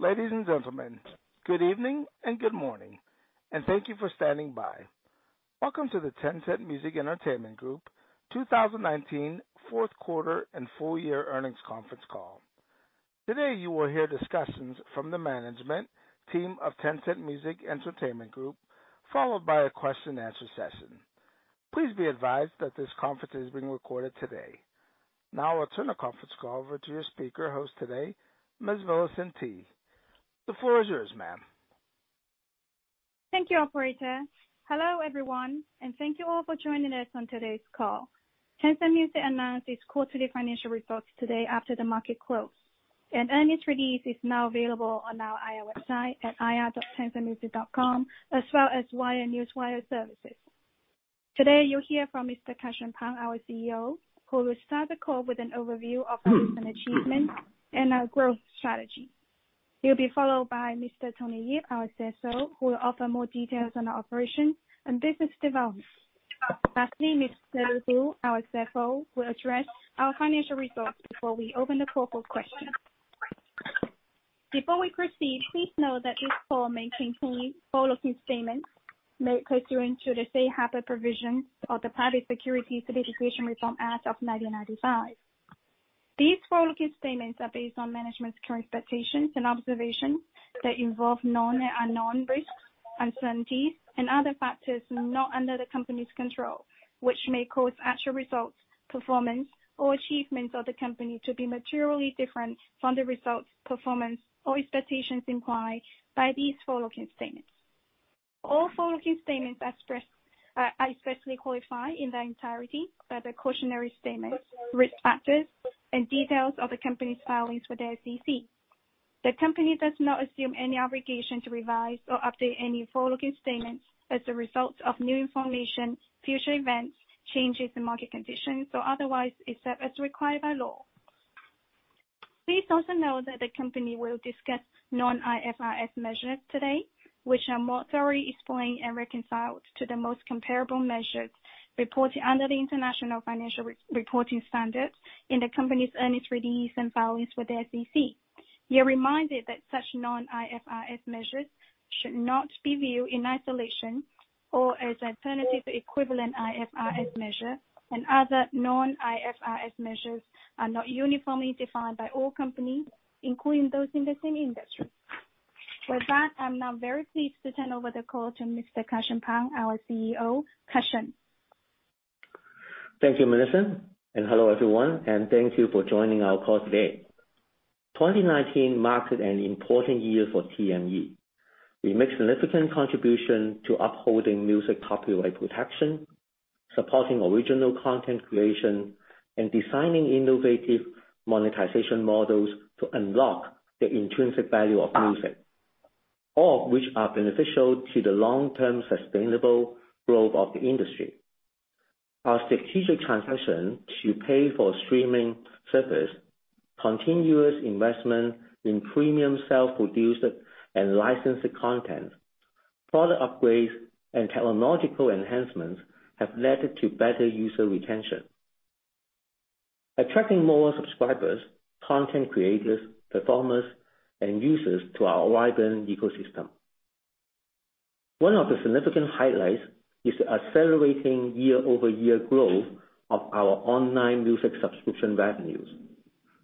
Ladies and gentlemen, good evening and good morning, and thank you for standing by. Welcome to the Tencent Music Entertainment Group 2019 fourth quarter and full year earnings conference call. Today you will hear discussions from the management team of Tencent Music Entertainment Group, followed by a question and answer session. Please be advised that this conference is being recorded today. I'll turn the conference call over to your speaker host today, Ms. Millicent Tu. The floor is yours, ma'am. Thank you, operator. Hello, everyone, and thank you all for joining us on today's call. Tencent Music announced its quarterly financial results today after the market close. An earnings release is now available on our IR website at ir.tencentmusic.com, as well as via Newswire Services. Today you'll hear from Mr. Kar Shun Pang, our CEO, who will start the call with an overview of our recent achievements and our growth strategy. He'll be followed by Mr. Tony Yip, our CSO, who will offer more details on our operations and business development. Lastly, Mr. Shirley Hu, our CFO, will address our financial results before we open the call for questions. Before we proceed, please know that this call may contain forward-looking statements made pursuant to the safe harbor provisions of the Private Securities Litigation Reform Act of 1995. These forward-looking statements are based on management's current expectations and observations that involve known and unknown risks, uncertainties, and other factors not under the company's control, which may cause actual results, performance, or achievements of the company to be materially different from the results, performance, or expectations implied by these forward-looking statements. All forward-looking statements are expressly qualified in their entirety by the cautionary statements, risk factors, and details of the company's filings with the SEC. The company does not assume any obligation to revise or update any forward-looking statements as a result of new information, future events, changes in market conditions, or otherwise, except as required by law. Please also know that the company will discuss non-IFRS measures today, which are materially explained and reconciled to the most comparable measures reported under the International Financial Reporting Standards in the company's earnings release and filings with the SEC. You are reminded that such non-IFRS measures should not be viewed in isolation or as alternative equivalent IFRS measures and other non-IFRS measures are not uniformly defined by all companies, including those in the same industry. With that, I'm now very pleased to turn over the call to Mr. Kar Shun Pang, our CEO. Kar Shun. Thank you, Millicent, and hello, everyone, and thank you for joining our call today. 2019 marked an important year for TME. We made significant contribution to upholding music copyright protection, supporting original content creation, and designing innovative monetization models to unlock the intrinsic value of music. All of which are beneficial to the long-term sustainable growth of the industry. Our strategic transition to pay-for-streaming service, continuous investment in premium self-produced and licensed content, product upgrades, and technological enhancements have led to better user retention, attracting more subscribers, content creators, performers, and users to our vibrant ecosystem. One of the significant highlights is the accelerating year-over-year growth of our online music subscription revenues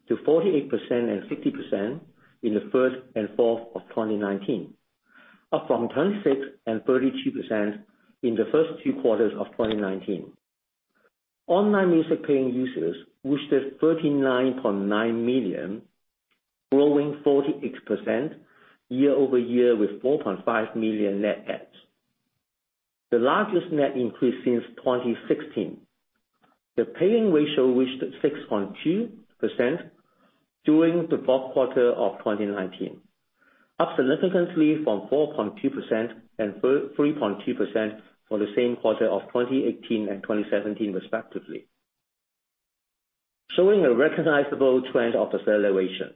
to 48% and 60% in the third and fourth of 2019, up from 26% and 32% in the first two quarters of 2019. Online music paying users reached 39.9 million, growing 46% year-over-year with 4.5 million net adds. The largest net increase since 2016. The paying ratio reached 6.2% during the fourth quarter of 2019, up significantly from 4.2% and 3.2% for the same quarter of 2018 and 2017 respectively, showing a recognizable trend of acceleration.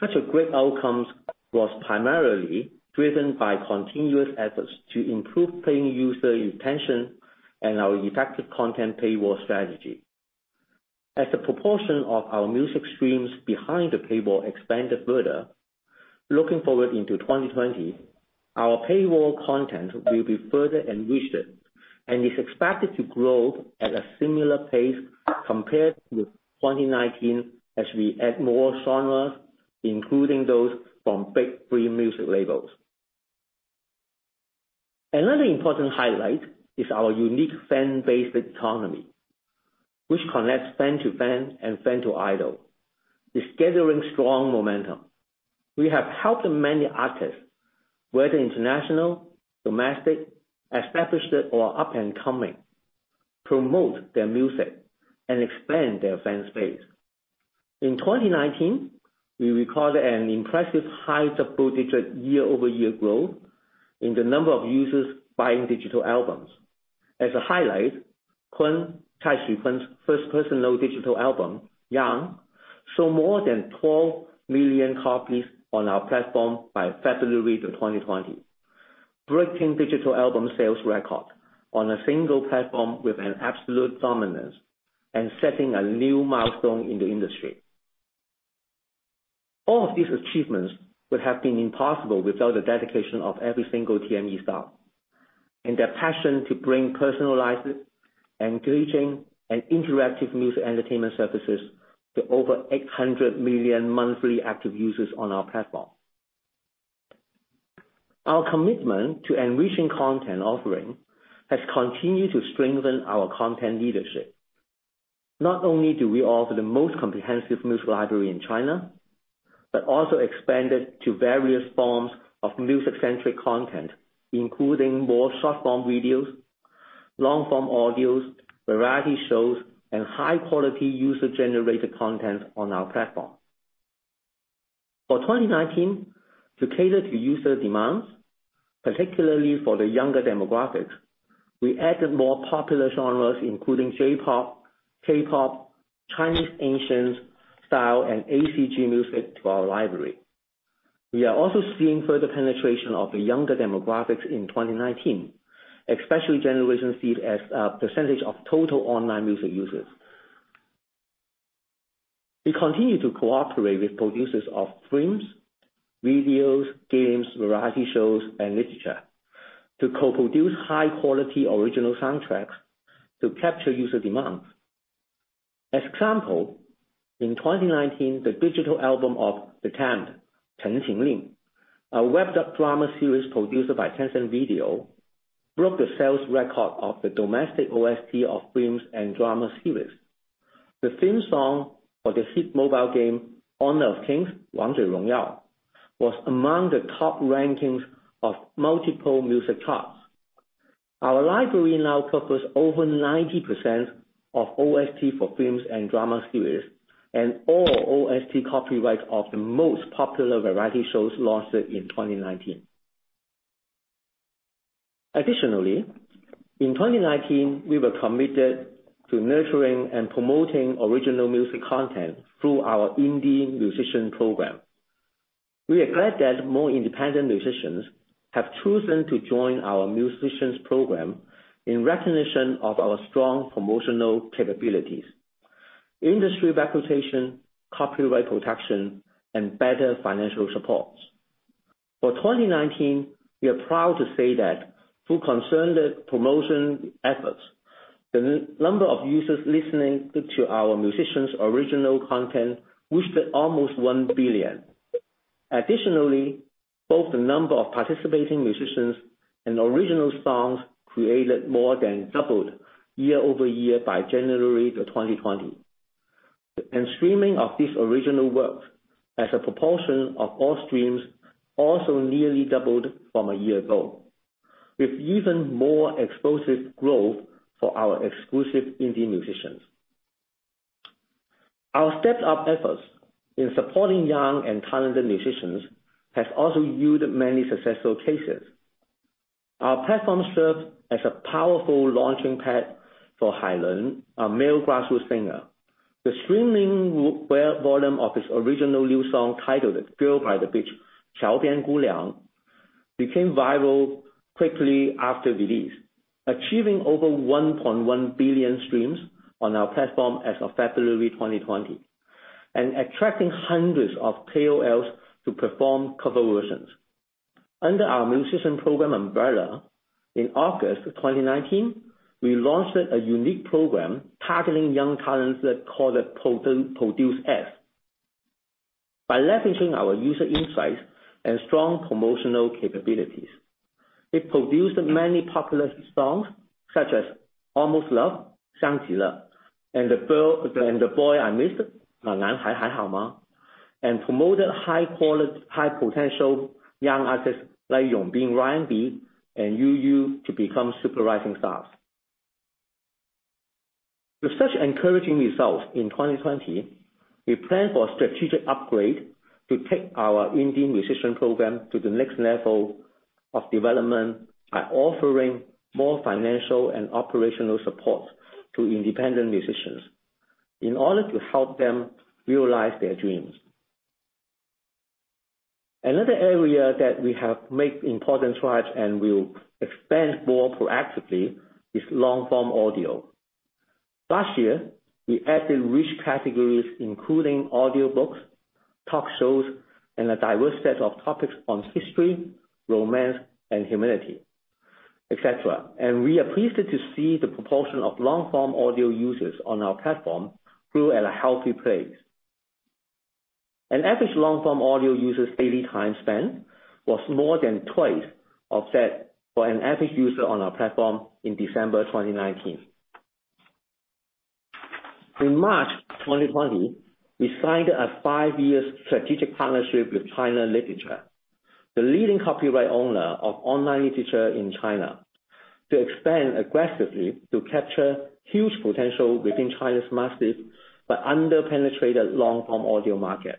Such a great outcome was primarily driven by continuous efforts to improve paying user retention and our effective content paywall strategy. As the proportion of our music streams behind the paywall expanded further. Looking forward into 2020, our paywall content will be further enriched and is expected to grow at a similar pace compared with 2019 as we add more genres, including those from big three music labels. Another important highlight is our unique fan-based economy, which connects fan-to-fan and fan-to-idol. It's gathering strong momentum. We have helped many artists, whether international, domestic, established, or up-and-coming, promote their music and expand their fan space. In 2019, we recorded an impressive high double-digit year-over-year growth in the number of users buying digital albums. As a highlight, KUN, Cai Xukun's first personal digital album, YOUNG, sold more than 12 million copies on our platform by February of 2020, reaking digital album sales record on a single platform with an absolute dominance and setting a new milestone in the industry. All of these achievements would have been impossible without the dedication of every single TME staff and their passion to bring personalized, engaging, and interactive music entertainment services to over 800 million monthly active users on our platform. Our commitment to enriching content offering has continued to strengthen our content leadership. Not only do we offer the most comprehensive music library in China, but also expanded to various forms of music-centric content, including more short-form videos, long-form audios, variety shows, and high-quality user-generated content on our platform. For 2019, to cater to user demands, particularly for the younger demographics, we added more popular genres including J-pop, K-pop, Chinese ancient style, and ACG music to our library. We are also seeing further penetration of the younger demographics in 2019, especially Generation Z as a percentage of total online music users. We continue to cooperate with producers of films, videos, games, variety shows, and literature to co-produce high-quality original soundtracks to capture user demands. As example, in 2019, the digital album of The Untamed (Chén Qíng Lìng), a web drama series produced by Tencent Video, broke the sales record of the domestic OST of films and drama series. The theme song for the hit mobile game Honor of Kings (Wángzhě Róngyào), was among the top rankings of multiple music charts. Our library now covers over 90% of OST for films and drama series and all OST copyrights of the most popular variety shows launched in 2019. Additionally, in 2019, we were committed to nurturing and promoting original music content through our indie musician program. We are glad that more independent musicians have chosen to join our Tencent Musician Program in recognition of our strong promotional capabilities, industry reputation, copyright protection, and better financial support. For 2019, we are proud to say that through concerted promotion efforts, the number of users listening to our musicians' original content reached almost 1 billion. Additionally, both the number of participating musicians and original songs created more than doubled year-over-year by January of 2020. Streaming of these original works as a proportion of all streams also nearly doubled from a year ago, with even more explosive growth for our exclusive indie musicians. Our stepped-up efforts in supporting young and talented musicians has also yielded many successful cases. Our platform served as a powerful launching pad for Hai Lun, a male grassroots singer. The streaming volume of his original new song titled Girl by the Bridge (Qiáo Biān Gū Niang), became viral quickly after release, achieving over 1.1 billion streams on our platform as of February 2020 and attracting hundreds of KOLs to perform cover versions. Under our musician program umbrella, in August of 2019, we launched a unique program targeting young talents called Produce S. By leveraging our user insights and strong promotional capabilities, it produced many popular songs such as Almost Love, (Xiang Ji Le), and The Boy I Missed (Na Nan Hai Hai Hao Ma), and promoted high potential young artists like Yongbing, Ryan.B, and Uu to become rising stars. With such encouraging results in 2020, we plan for a strategic upgrade to take our Tencent Musician Program to the next level of development by offering more financial and operational support to independent musicians in order to help them realize their dreams. Another area that we have made important strides and will expand more proactively is long-form audio. Last year, we added rich categories, including audiobooks, talk shows, and a diverse set of topics on history, romance, and humanity, et cetera. We are pleased to see the proportion of long-form audio users on our platform grew at a healthy pace. An average long-form audio user's daily time spent was more than twice of that for an average user on our platform in December 2019. In March 2020, we signed a five-year strategic partnership with China Literature, the leading copyright owner of online literature in China, to expand aggressively to capture huge potential within China's massive but under-penetrated long-form audio market.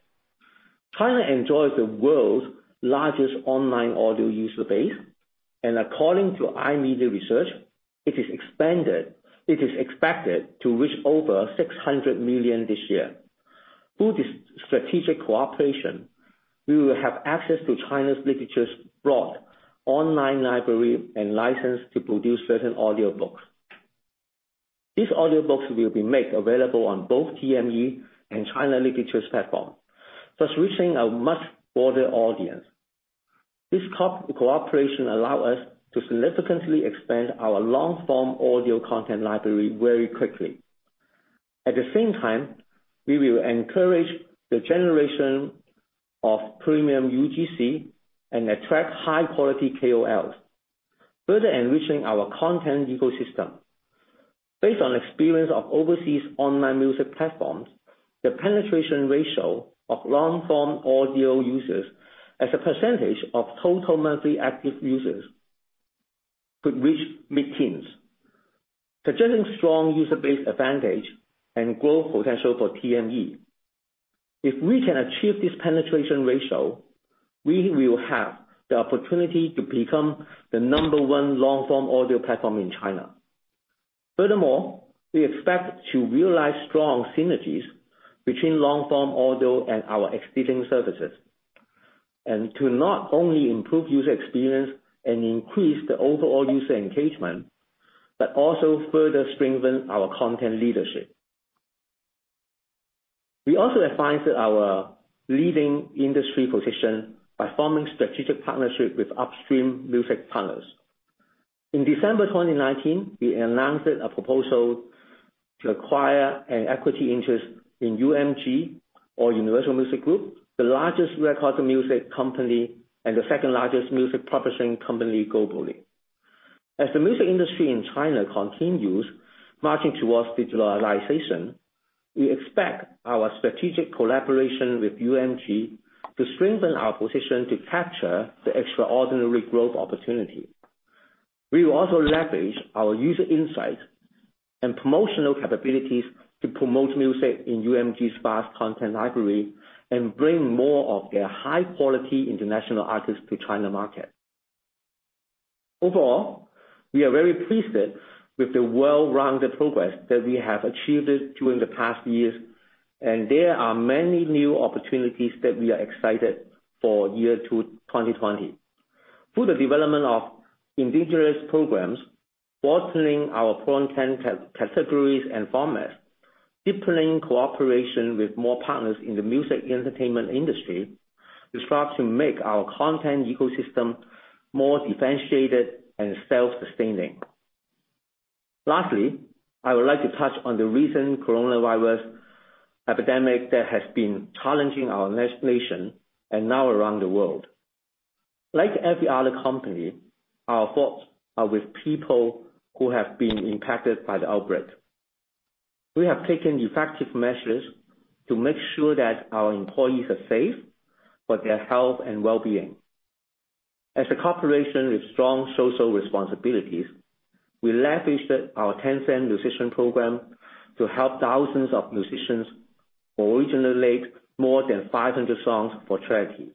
China enjoys the world's largest online audio user base, and according to iiMedia Research, it is expected to reach over 600 million this year. Through this strategic cooperation, we will have access to China Literature's broad online library and license to produce certain audiobooks. These audiobooks will be made available on both TME and China Literature's platform, thus reaching a much broader audience. This cooperation allow us to significantly expand our long-form audio content library very quickly. At the same time, we will encourage the generation of premium UGC and attract high-quality KOLs, further enriching our content ecosystem. Based on experience of overseas online music platforms, the penetration ratio of long-form audio users as a percentage of total monthly active users could reach mid-teens, suggesting strong user base advantage and growth potential for TME. If we can achieve this penetration ratio, we will have the opportunity to become the number one long-form audio platform in China. Furthermore, we expect to realize strong synergies between long-form audio and our existing services. To not only improve user experience and increase the overall user engagement, but also further strengthen our content leadership. We also advanced our leading industry position by forming strategic partnership with upstream music partners. In December 2019, we announced a proposal to acquire an equity interest in UMG or Universal Music Group, the largest recorded music company and the second-largest music publishing company globally. As the music industry in China continues marching towards digitalization, we expect our strategic collaboration with UMG to strengthen our position to capture the extraordinary growth opportunity. We will also leverage our user insight and promotional capabilities to promote music in UMG's vast content library and bring more of their high-quality international artists to China market. Overall, we are very pleased with the well-rounded progress that we have achieved during the past years, and there are many new opportunities that we are excited for year 2020. Through the development of indigenous programs, broadening our content categories and formats, deepening cooperation with more partners in the music entertainment industry is start to make our content ecosystem more differentiated and self-sustaining. Lastly, I would like to touch on the recent coronavirus epidemic that has been challenging our nation and now around the world. Like every other company, our thoughts are with people who have been impacted by the outbreak. We have taken effective measures to make sure that our employees are safe, for their health and wellbeing. As a corporation with strong social responsibilities, we leveraged our Tencent Musician Program to help thousands of musicians who originally made more than 500 songs for charity.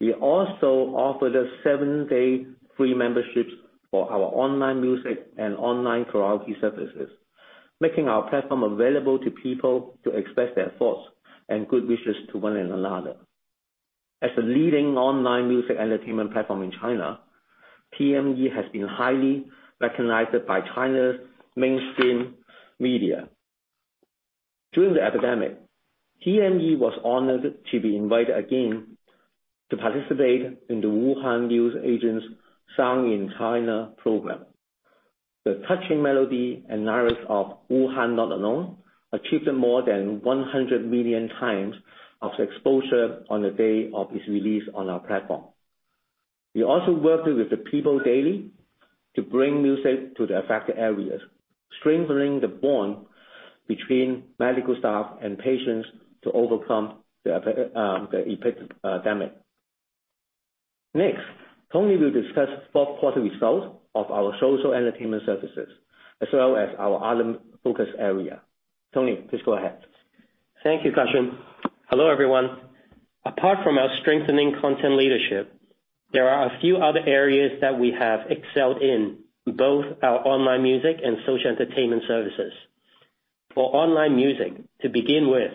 We also offered seven-day free memberships for our online music and online karaoke services, making our platform available to people to express their thoughts and good wishes to one another. As a leading online music entertainment platform in China, TME has been highly recognized by China's mainstream media. During the epidemic, TME was honored to be invited again to participate in the Wuhan News Agency's Sound in China program. The touching melody and lyrics of Wuhan Not Alone achieved more than 100 million times of exposure on the day of its release on our platform. We also worked with the People's Daily to bring music to the affected areas, strengthening the bond between medical staff and patients to overcome the epidemic. Next, Tony will discuss fourth quarter results of our social entertainment services, as well as our other focus area. Tony, please go ahead. Thank you, Kar Shun. Hello, everyone. Apart from our strengthening content leadership, there are a few other areas that we have excelled in, both our online music and social entertainment services. For online music, to begin with,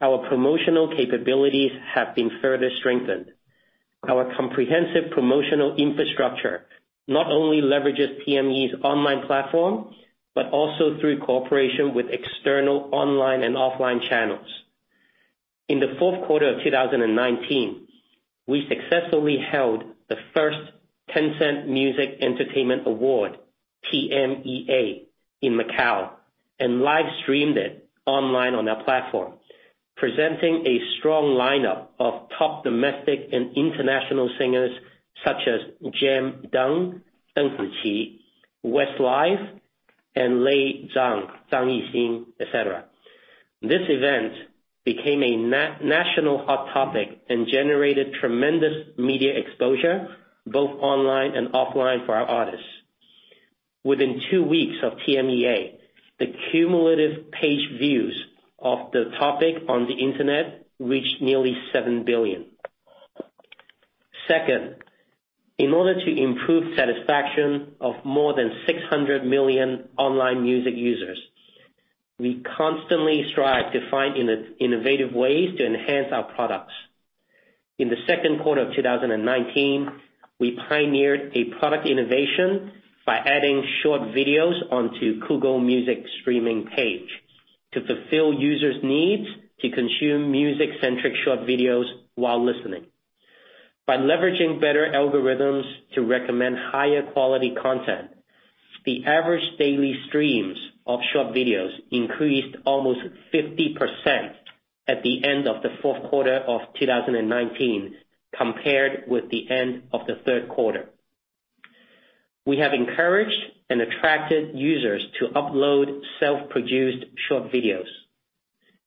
our promotional capabilities have been further strengthened. Our comprehensive promotional infrastructure not only leverages TME's online platform, but also through cooperation with external online and offline channels. In the fourth quarter of 2019, we successfully held the first Tencent Music Entertainment Awards, TMEA, in Macau, and live-streamed it online on our platform, presenting a strong lineup of top domestic and international singers such as G.E.M. Deng (Deng Ziqi), Westlife, and Lay Zhang (Zhang Yixing), et cetera. This event became a national hot topic and generated tremendous media exposure, both online and offline, for our artists. Within two weeks of TMEA, the cumulative page views of the topic on the internet reached nearly 7 billion. Second, in order to improve satisfaction of more than 600 million online music users, we constantly strive to find innovative ways to enhance our products. In the second quarter of 2019, we pioneered a product innovation by adding short videos onto Kugou Music streaming page to fulfill users' needs to consume music-centric short videos while listening. By leveraging better algorithms to recommend higher quality content, the average daily streams of short videos increased almost 50% at the end of the fourth quarter of 2019, compared with the end of the third quarter. We have encouraged and attracted users to upload self-produced short videos.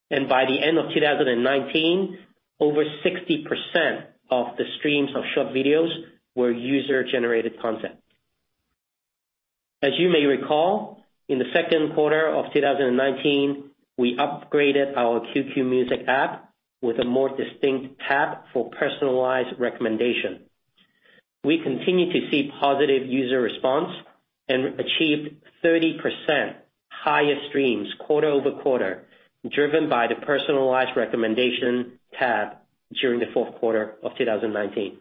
By the end of 2019, over 60% of the streams of short videos were user-generated content. As you may recall, in the second quarter of 2019, we upgraded our QQ Music app with a more distinct tab for personalized recommendation. We continue to see positive user response and achieved 30% higher streams quarter-over-quarter, driven by the personalized recommendation tab during the fourth quarter of 2019.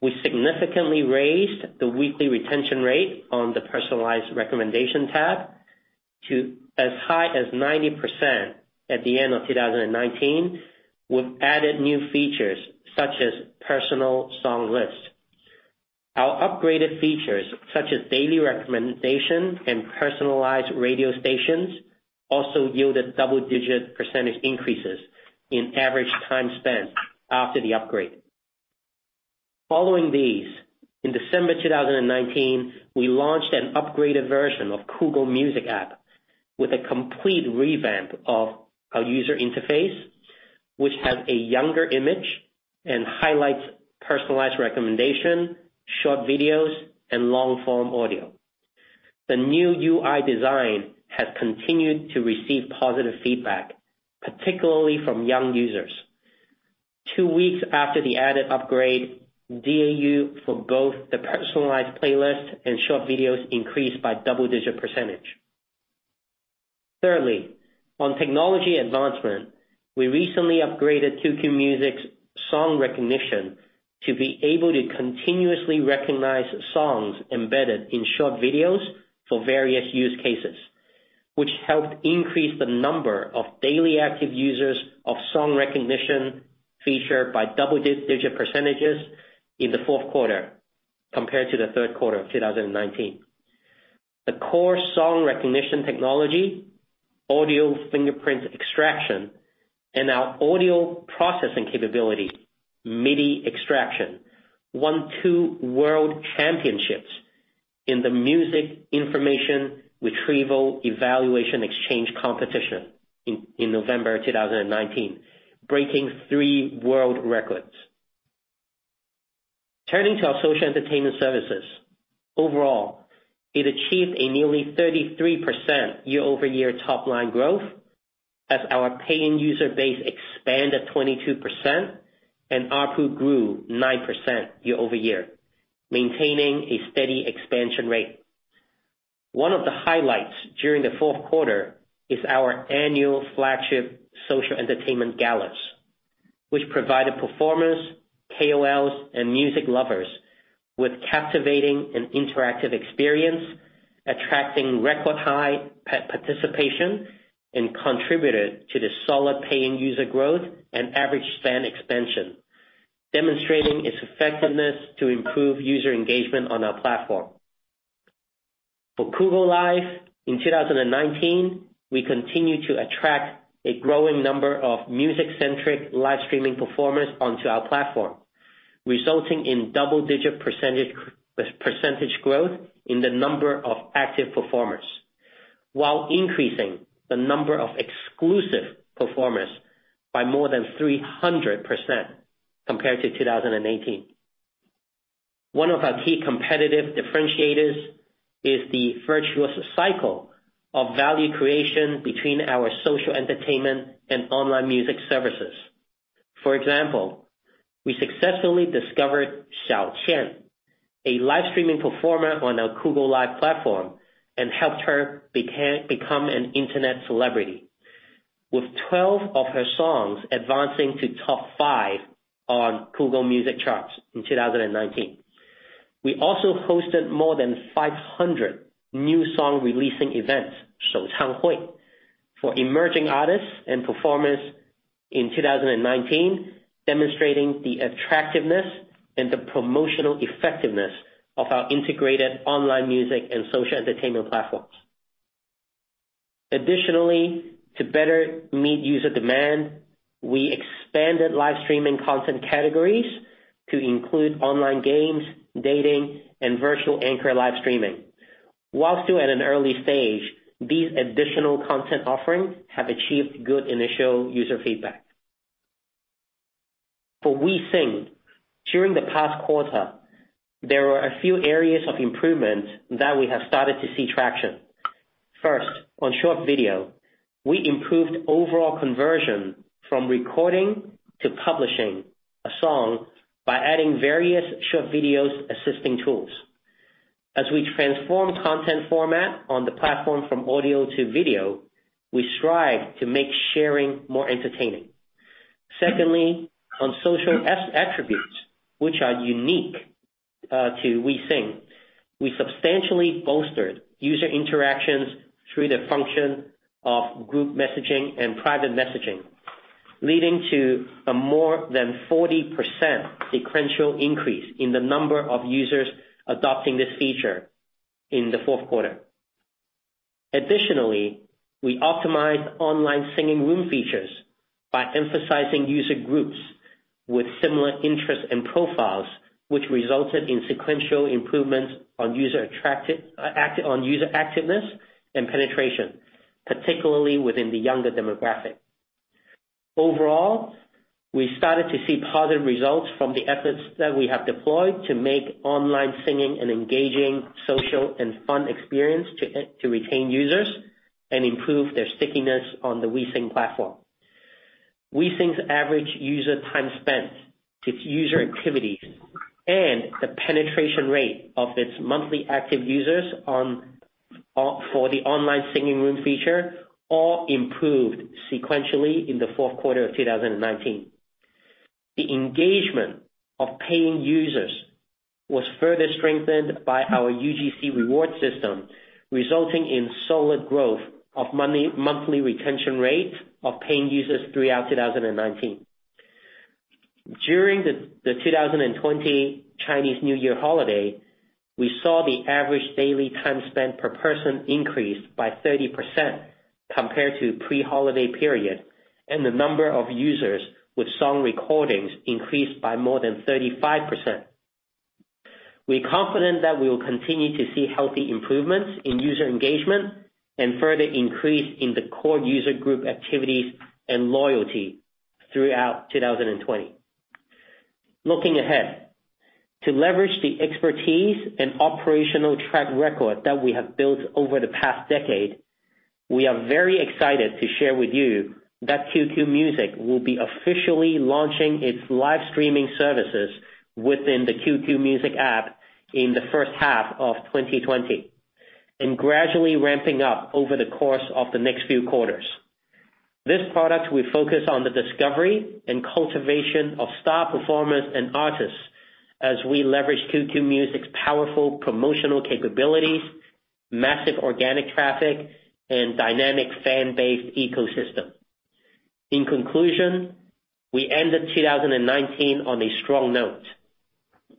We significantly raised the weekly retention rate on the personalized recommendation tab to as high as 90% at the end of 2019. We've added new features such as personal song list. Our upgraded features, such as daily recommendation and personalized radio stations, also yielded double-digit percentage increases in average time spent after the upgrade. Following these, in December 2019, we launched an upgraded version of Kugou Music app with a complete revamp of our user interface, which has a younger image and highlights personalized recommendation, short videos, and long-form audio. The new UI design has continued to receive positive feedback, particularly from young users. Two weeks after the added upgrade, DAU for both the personalized playlist and short videos increased by double-digit percentage. Thirdly, on technology advancement, we recently upgraded QQ Music's song recognition to be able to continuously recognize songs embedded in short videos for various use cases, which helped increase the number of daily active users of song recognition feature by double-digit percentages in the fourth quarter compared to the third quarter of 2019. The core song recognition technology, audio fingerprint extraction, and our audio processing capability, MIDI extraction, won two world championships in the Music Information Retrieval Evaluation eXchange competition in November 2019, breaking three world records. Turning to our social entertainment services. Overall, it achieved a nearly 33% year-over-year top-line growth as our paying user base expanded 22% and ARPPU grew 9% year-over-year, maintaining a steady expansion rate. One of the highlights during the fourth quarter is our annual flagship social entertainment galas, which provided performers, KOLs, and music lovers with captivating and interactive experience, attracting record-high participation, and contributed to the solid paying user growth and average spend expansion, demonstrating its effectiveness to improve user engagement on our platform. For Kugou Live, in 2019, we continued to attract a growing number of music-centric live streaming performers onto our platform, resulting in double-digit percentage growth in the number of active performers, while increasing the number of exclusive performers by more than 300% compared to 2018. One of our key competitive differentiators is the virtuous cycle of value creation between our social entertainment and online music services. For example, we successfully discovered Xiao Qian, a live streaming performer on our Kugou Live platform, and helped her become an internet celebrity, with 12 of her songs advancing to top five on Kugou Music charts in 2019. We also hosted more than 500 new song releasing events (Shouchang Hui), for emerging artists and performers in 2019, demonstrating the attractiveness and the promotional effectiveness of our integrated online music and social entertainment platforms. Additionally, to better meet user demand, we expanded live streaming content categories to include online games, dating, and virtual anchor live streaming. While still at an early stage, these additional content offerings have achieved good initial user feedback. For WeSing, during the past quarter, there were a few areas of improvement that we have started to see traction. First, on short video, we improved overall conversion from recording to publishing a song by adding various short videos assisting tools. As we transform content format on the platform from audio to video, we strive to make sharing more entertaining. Secondly, on social attributes, which are unique to WeSing, we substantially bolstered user interactions through the function of group messaging and private messaging, leading to a more than 40% sequential increase in the number of users adopting this feature in the fourth quarter. Additionally, we optimized online singing room features by emphasizing user groups with similar interests and profiles, which resulted in sequential improvements on user activeness and penetration, particularly within the younger demographic. Overall, we started to see positive results from the efforts that we have deployed to make online singing an engaging, social, and fun experience to retain users and improve their stickiness on the WeSing platform. WeSing's average user time spent, its user activities, and the penetration rate of its monthly active users for the online singing room feature all improved sequentially in the fourth quarter of 2019. The engagement of paying users was further strengthened by our UGC reward system, resulting in solid growth of monthly retention rate of paying users throughout 2019. During the 2020 Chinese New Year holiday, we saw the average daily time spent per person increase by 30% compared to pre-holiday period, and the number of users with song recordings increased by more than 35%. We're confident that we will continue to see healthy improvements in user engagement and further increase in the core user group activities and loyalty throughout 2020. Looking ahead, to leverage the expertise and operational track record that we have built over the past decade, we are very excited to share with you that QQ Music will be officially launching its live streaming services within the QQ Music app in the first half of 2020, and gradually ramping up over the course of the next few quarters. This product will focus on the discovery and cultivation of star performers and artists as we leverage QQ Music's powerful promotional capabilities, massive organic traffic, and dynamic fan base ecosystem. In conclusion, we ended 2019 on a strong note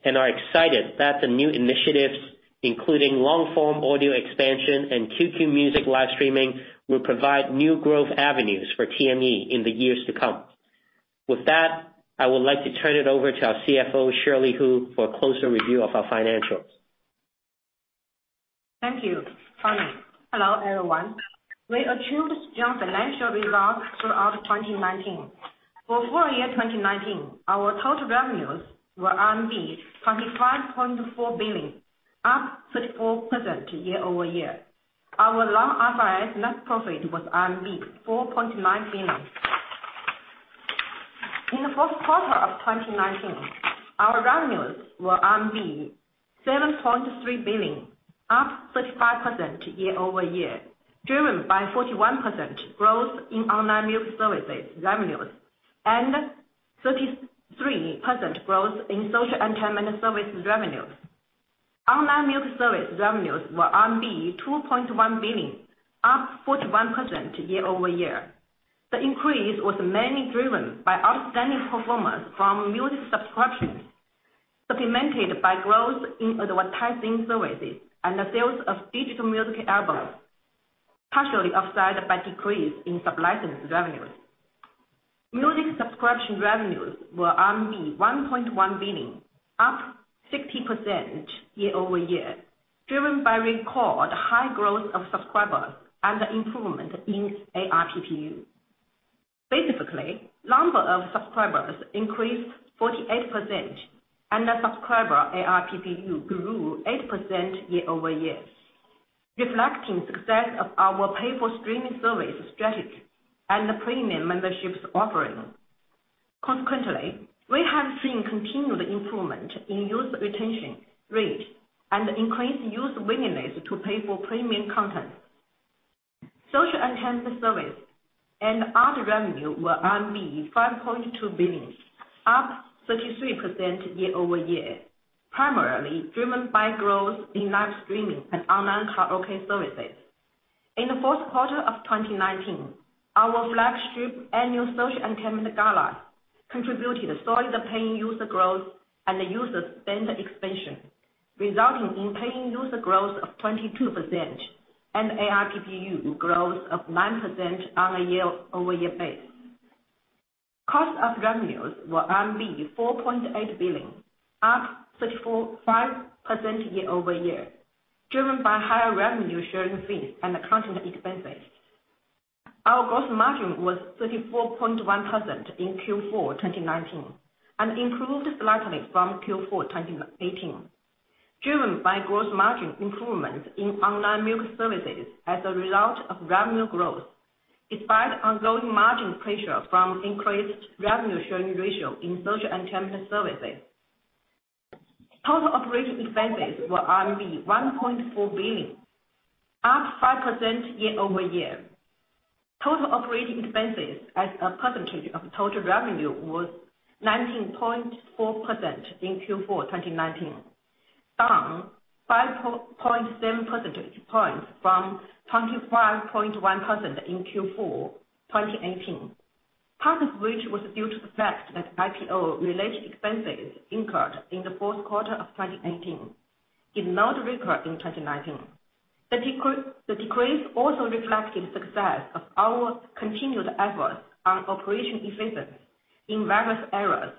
and are excited that the new initiatives, including long-form audio expansion and QQ Music live streaming, will provide new growth avenues for TME in the years to come. With that, I would like to turn it over to our CFO, Shirley Hu, for a closer review of our financials. Thank you, Tony. Hello, everyone. We achieved strong financial results throughout 2019. For full year 2019, our total revenues were 25.4 billion, up 34% year-over-year. Our non-IFRS net profit was 4.9 billion. In the fourth quarter of 2019, our revenues were 7.3 billion, up 35% year-over-year, driven by 41% growth in online music services revenues and 33% growth in social entertainment services revenues. Online music service revenues were 2.1 billion, up 41% year-over-year. The increase was mainly driven by outstanding performance from music subscriptions, supplemented by growth in advertising services and the sales of digital music albums, partially offset by decrease in sub-license revenues. Music subscription revenues were 1.1 billion, up 60% year-over-year, driven by record high growth of subscribers and improvement in ARPPU. Specifically, number of subscribers increased 48%, and the subscriber ARPPU grew 8% year-over-year, reflecting success of our pay for streaming service strategy and the premium memberships offering. Consequently, we have seen continued improvement in user retention rate and increased user willingness to pay for premium content. Social entertainment service and other revenue were 5.2 billion, up 33% year-over-year, primarily driven by growth in live streaming and online karaoke services. In the fourth quarter of 2019, our flagship annual social entertainment gala contributed solid paying user growth and user spend expansion, resulting in paying user growth of 22% and ARPPU growth of 9% on a year-over-year basis. Cost of revenues were RMB 4.8 billion, up 35% year-over-year, driven by higher revenue sharing fees and content expenses. Our gross margin was 34.1% in Q4 2019, and improved slightly from Q4 2018, driven by gross margin improvements in online music services as a result of revenue growth, despite ongoing margin pressure from increased revenue sharing ratio in social entertainment services. Total operating expenses were RMB 1.4 billion, up 5% year-over-year. Total operating expenses as a percentage of total revenue was 19.4% in Q4 2019, down 5.7 percentage points from 25.1% in Q4 2018. Part of which was due to the fact that IPO-related expenses incurred in the fourth quarter of 2018 did not recur in 2019. The decrease also reflected success of our continued efforts on operation expenses in various areas,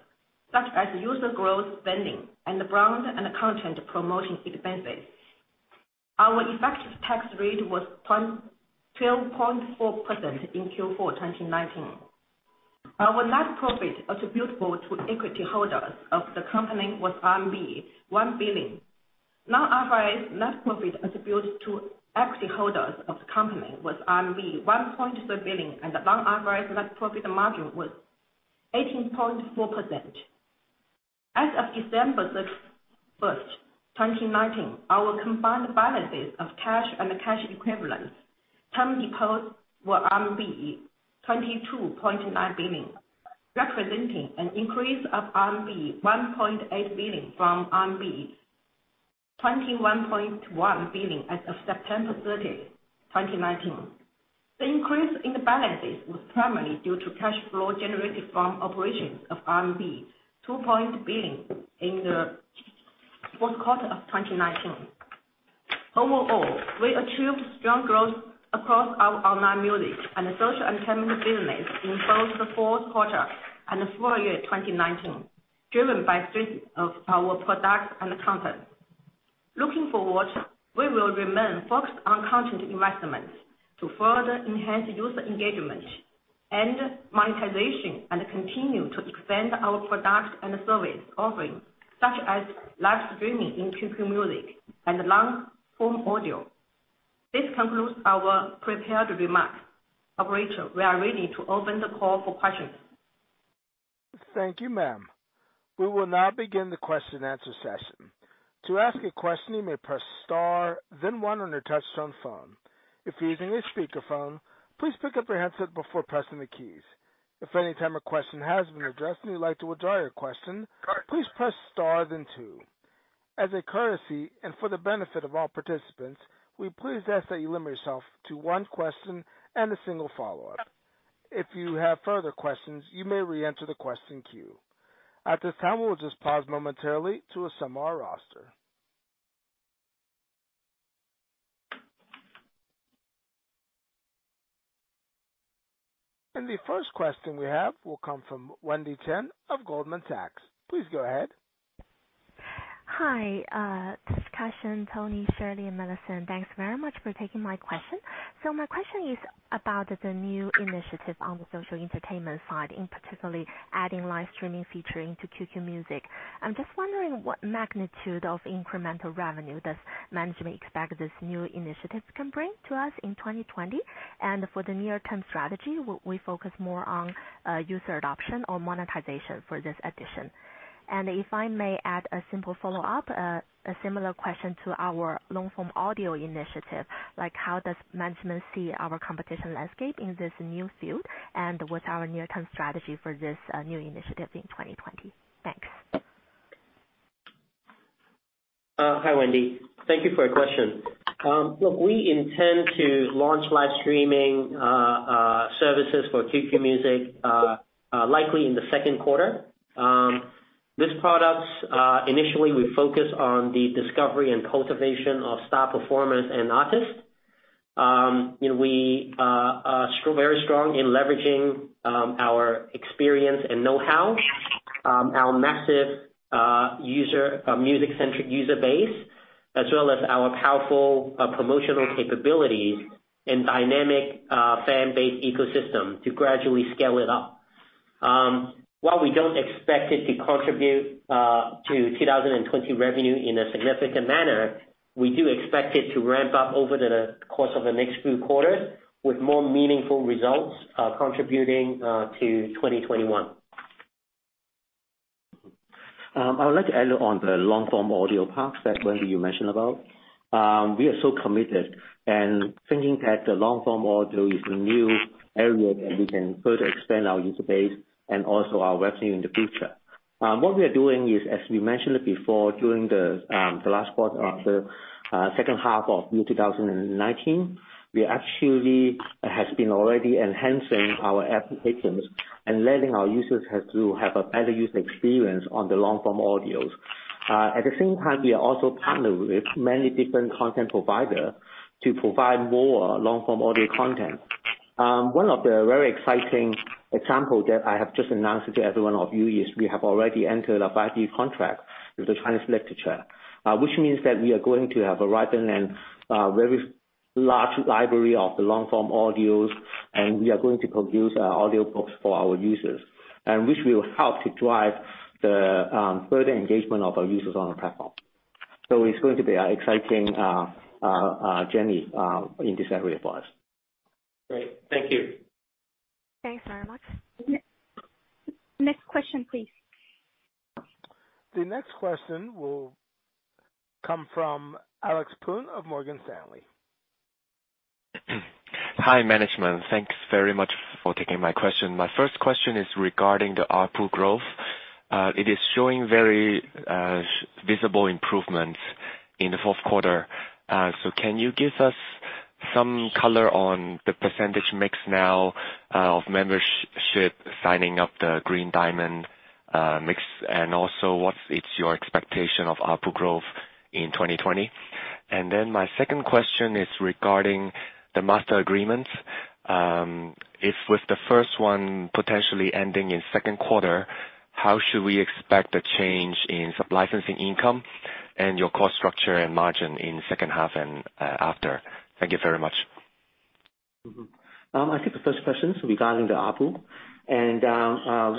such as user growth spending and brand and content promotion expenses. Our effective tax rate was 12.4% in Q4 2019. Our net profit attributable to equity holders of the company was RMB 1 billion. Non-IFRS net profit attributed to equity holders of the company was RMB 1.3 billion and non-IFRS net profit margin was 18.4%. As of December 31st, 2019, our combined balances of cash and cash equivalents, term deposits were 22.9 billion, representing an increase of 1.8 billion from 21.1 billion as of September 30, 2019. The increase in the balances was primarily due to cash flow generated from operations of RMB 2 billion in the fourth quarter of 2019. Overall, we achieved strong growth across our online music and social entertainment business in both the fourth quarter and full year 2019, driven by strength of our products and content. Looking forward, we will remain focused on content investments to further enhance user engagement and monetization, and continue to expand our product and service offerings, such as live streaming in QQ Music and long-form audio. This concludes our prepared remarks. Operator, we are ready to open the call for questions. Thank you, ma'am. We will now begin the question-and-answer session. To ask a question, you may press star then one on your touchtone phone. If you're using a speakerphone, please pick up your handset before pressing the keys. If at any time a question has been addressed and you'd like to withdraw your question, please press star then two. As a courtesy and for the benefit of all participants, we please ask that you limit yourself to one question and a single follow-up. If you have further questions, you may reenter the question queue. At this time, we'll just pause momentarily to assemble our roster. The first question we have will come from Wendy Chen of Goldman Sachs. Please go ahead. Hi, Kar Shun, Tony, Shirley, and Millicent, thanks very much for taking my question. My question is about the new initiative on the social entertainment side, in particularly adding live streaming featuring to QQ Music. I'm just wondering what magnitude of incremental revenue does management expect this new initiative can bring to us in 2020? For the near-term strategy, will we focus more on user adoption or monetization for this addition? If I may add a simple follow-up, a similar question to our long-form audio initiative, like how does management see our competition landscape in this new field? What's our near-term strategy for this new initiative in 2020? Thanks. Hi, Wendy. Thank you for your question. Look, we intend to launch live streaming services for QQ Music likely in the second quarter. These products, initially we focus on the discovery and cultivation of star performance and artists. We are very strong in leveraging our experience and know-how, our massive music-centric user base, as well as our powerful promotional capabilities and dynamic fan base ecosystem to gradually scale it up. While we don't expect it to contribute to 2020 revenue in a significant manner, we do expect it to ramp up over the course of the next few quarters with more meaningful results contributing to 2021. I would like to add on the long-form audio part that Wendy you mentioned about. We are so committed and thinking that the long-form audio is a new area that we can further expand our user base and also our revenue in the future. What we are doing is, as we mentioned before, during the last quarter of the second half of 2019, we actually have been already enhancing our applications and letting our users to have a better user experience on the long-form audios. At the same time, we are also partnered with many different content provider to provide more long-form audio content. One of the very exciting example that I have just announced to every one of you is we have already entered a five-year contract with China Literature. Which means that we are going to have a ripe and very large library of the long-form audios, and we are going to produce audiobooks for our users, and which will help to drive the further engagement of our users on the platform. It's going to be an exciting journey in this area for us. Thank you. Thanks very much. Next question, please. The next question will come from Alex Poon of Morgan Stanley. Hi, management. Thanks very much for taking my question. My first question is regarding the ARPPU growth. It is showing very visible improvements in the fourth quarter. Can you give us some color on the percentage mix now of membership signing up the Green Diamond mix, and also what is your expectation of ARPPU growth in 2020? My second question is regarding the master agreements. If with the first one potentially ending in second quarter, how should we expect a change in sublicensing income and your cost structure and margin in second half and after? Thank you very much. Mm-hmm. I'll take the first question regarding the ARPPU.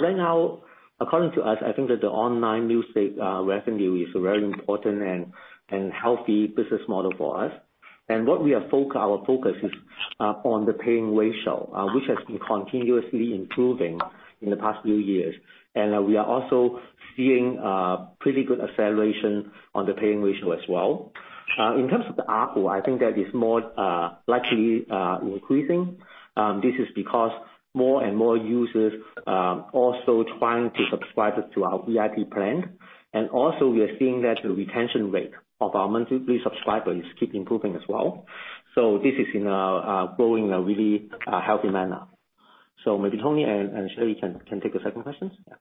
Right now, according to us, I think that the online music revenue is very important and healthy business model for us. Our focus is on the paying ratio, which has been continuously improving in the past few years. We are also seeing pretty good acceleration on the paying ratio as well. In terms of the ARPPU, I think that is more likely increasing. This is because more and more users are also trying to subscribe to our VIP plan. Also, we are seeing that the retention rate of our monthly subscribers keeps improving as well. This is growing in a really healthy manner. Maybe Tony and Shirley can take the second question. Yeah.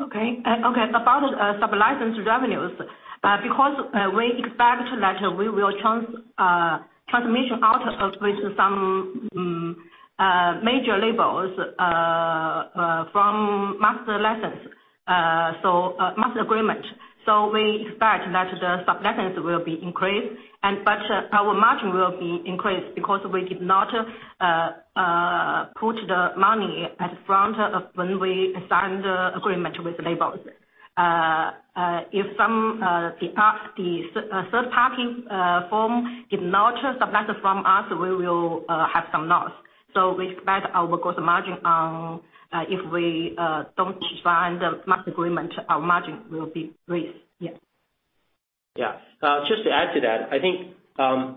Okay. About sub-license revenues, because we expect that we will transition out of with some major labels from master license, so master agreement, we expect that the sub-license will be increased. Our margin will be increased because we did not put the money at the front when we signed the agreement with the labels. If the third-party firm did not license from us, we will have some loss. We expect our gross margin, if we don't sign the master agreement, our margin will be raised. Yeah. Yeah. Just to add to that, I think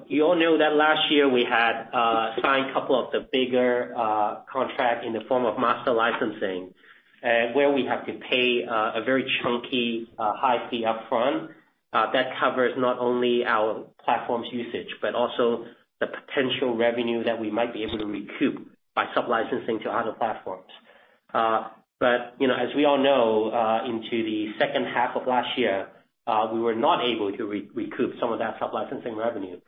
you all know that last year we had signed a couple of the bigger contracts in the form of master licensing, where we have to pay a very chunky, high fee up front. That covers not only our platform's usage, but also the potential revenue that we might be able to recoup by sublicensing to other platforms. As we all know, into the second half of last year, we were not able to recoup some of that sublicensing revenue,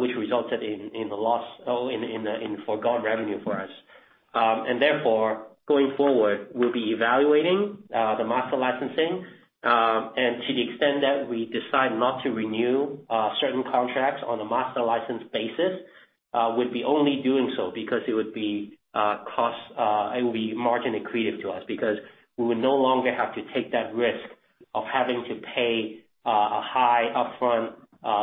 which resulted in forgone revenue for us. Therefore, going forward, we'll be evaluating the master licensing. To the extent that we decide not to renew certain contracts on a master license basis, we'd be only doing so because it would be margin accretive to us because we would no longer have to take that risk of having to pay a high upfront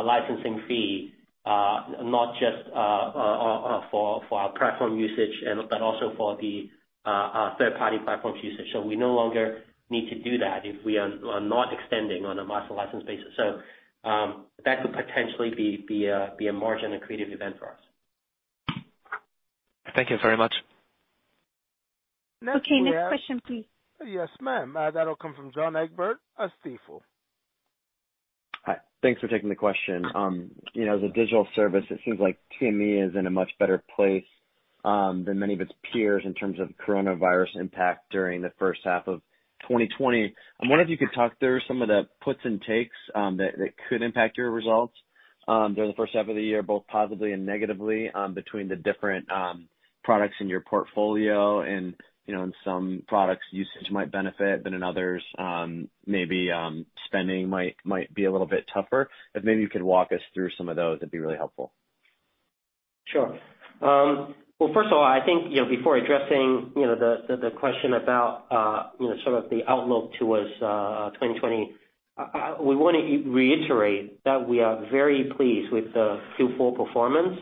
licensing fee, not just for our platform usage but also for the third-party platform's usage. We no longer need to do that if we are not extending on a master license basis. That could potentially be a margin-accretive event for us. Thank you very much. Okay, next question, please. Yes, ma'am. That'll come from John Egbert at Stifel. Hi. Thanks for taking the question. As a digital service, it seems like TME is in a much better place than many of its peers in terms of coronavirus impact during the first half of 2020. I wonder if you could talk through some of the puts and takes that could impact your results during the first half of the year, both positively and negatively, between the different products in your portfolio and in some products usage might benefit, but in others, maybe spending might be a little bit tougher. If maybe you could walk us through some of those, it'd be really helpful. Sure. Well, first of all, I think before addressing the question about the outlook towards 2020, we want to reiterate that we are very pleased with the Q4 performance,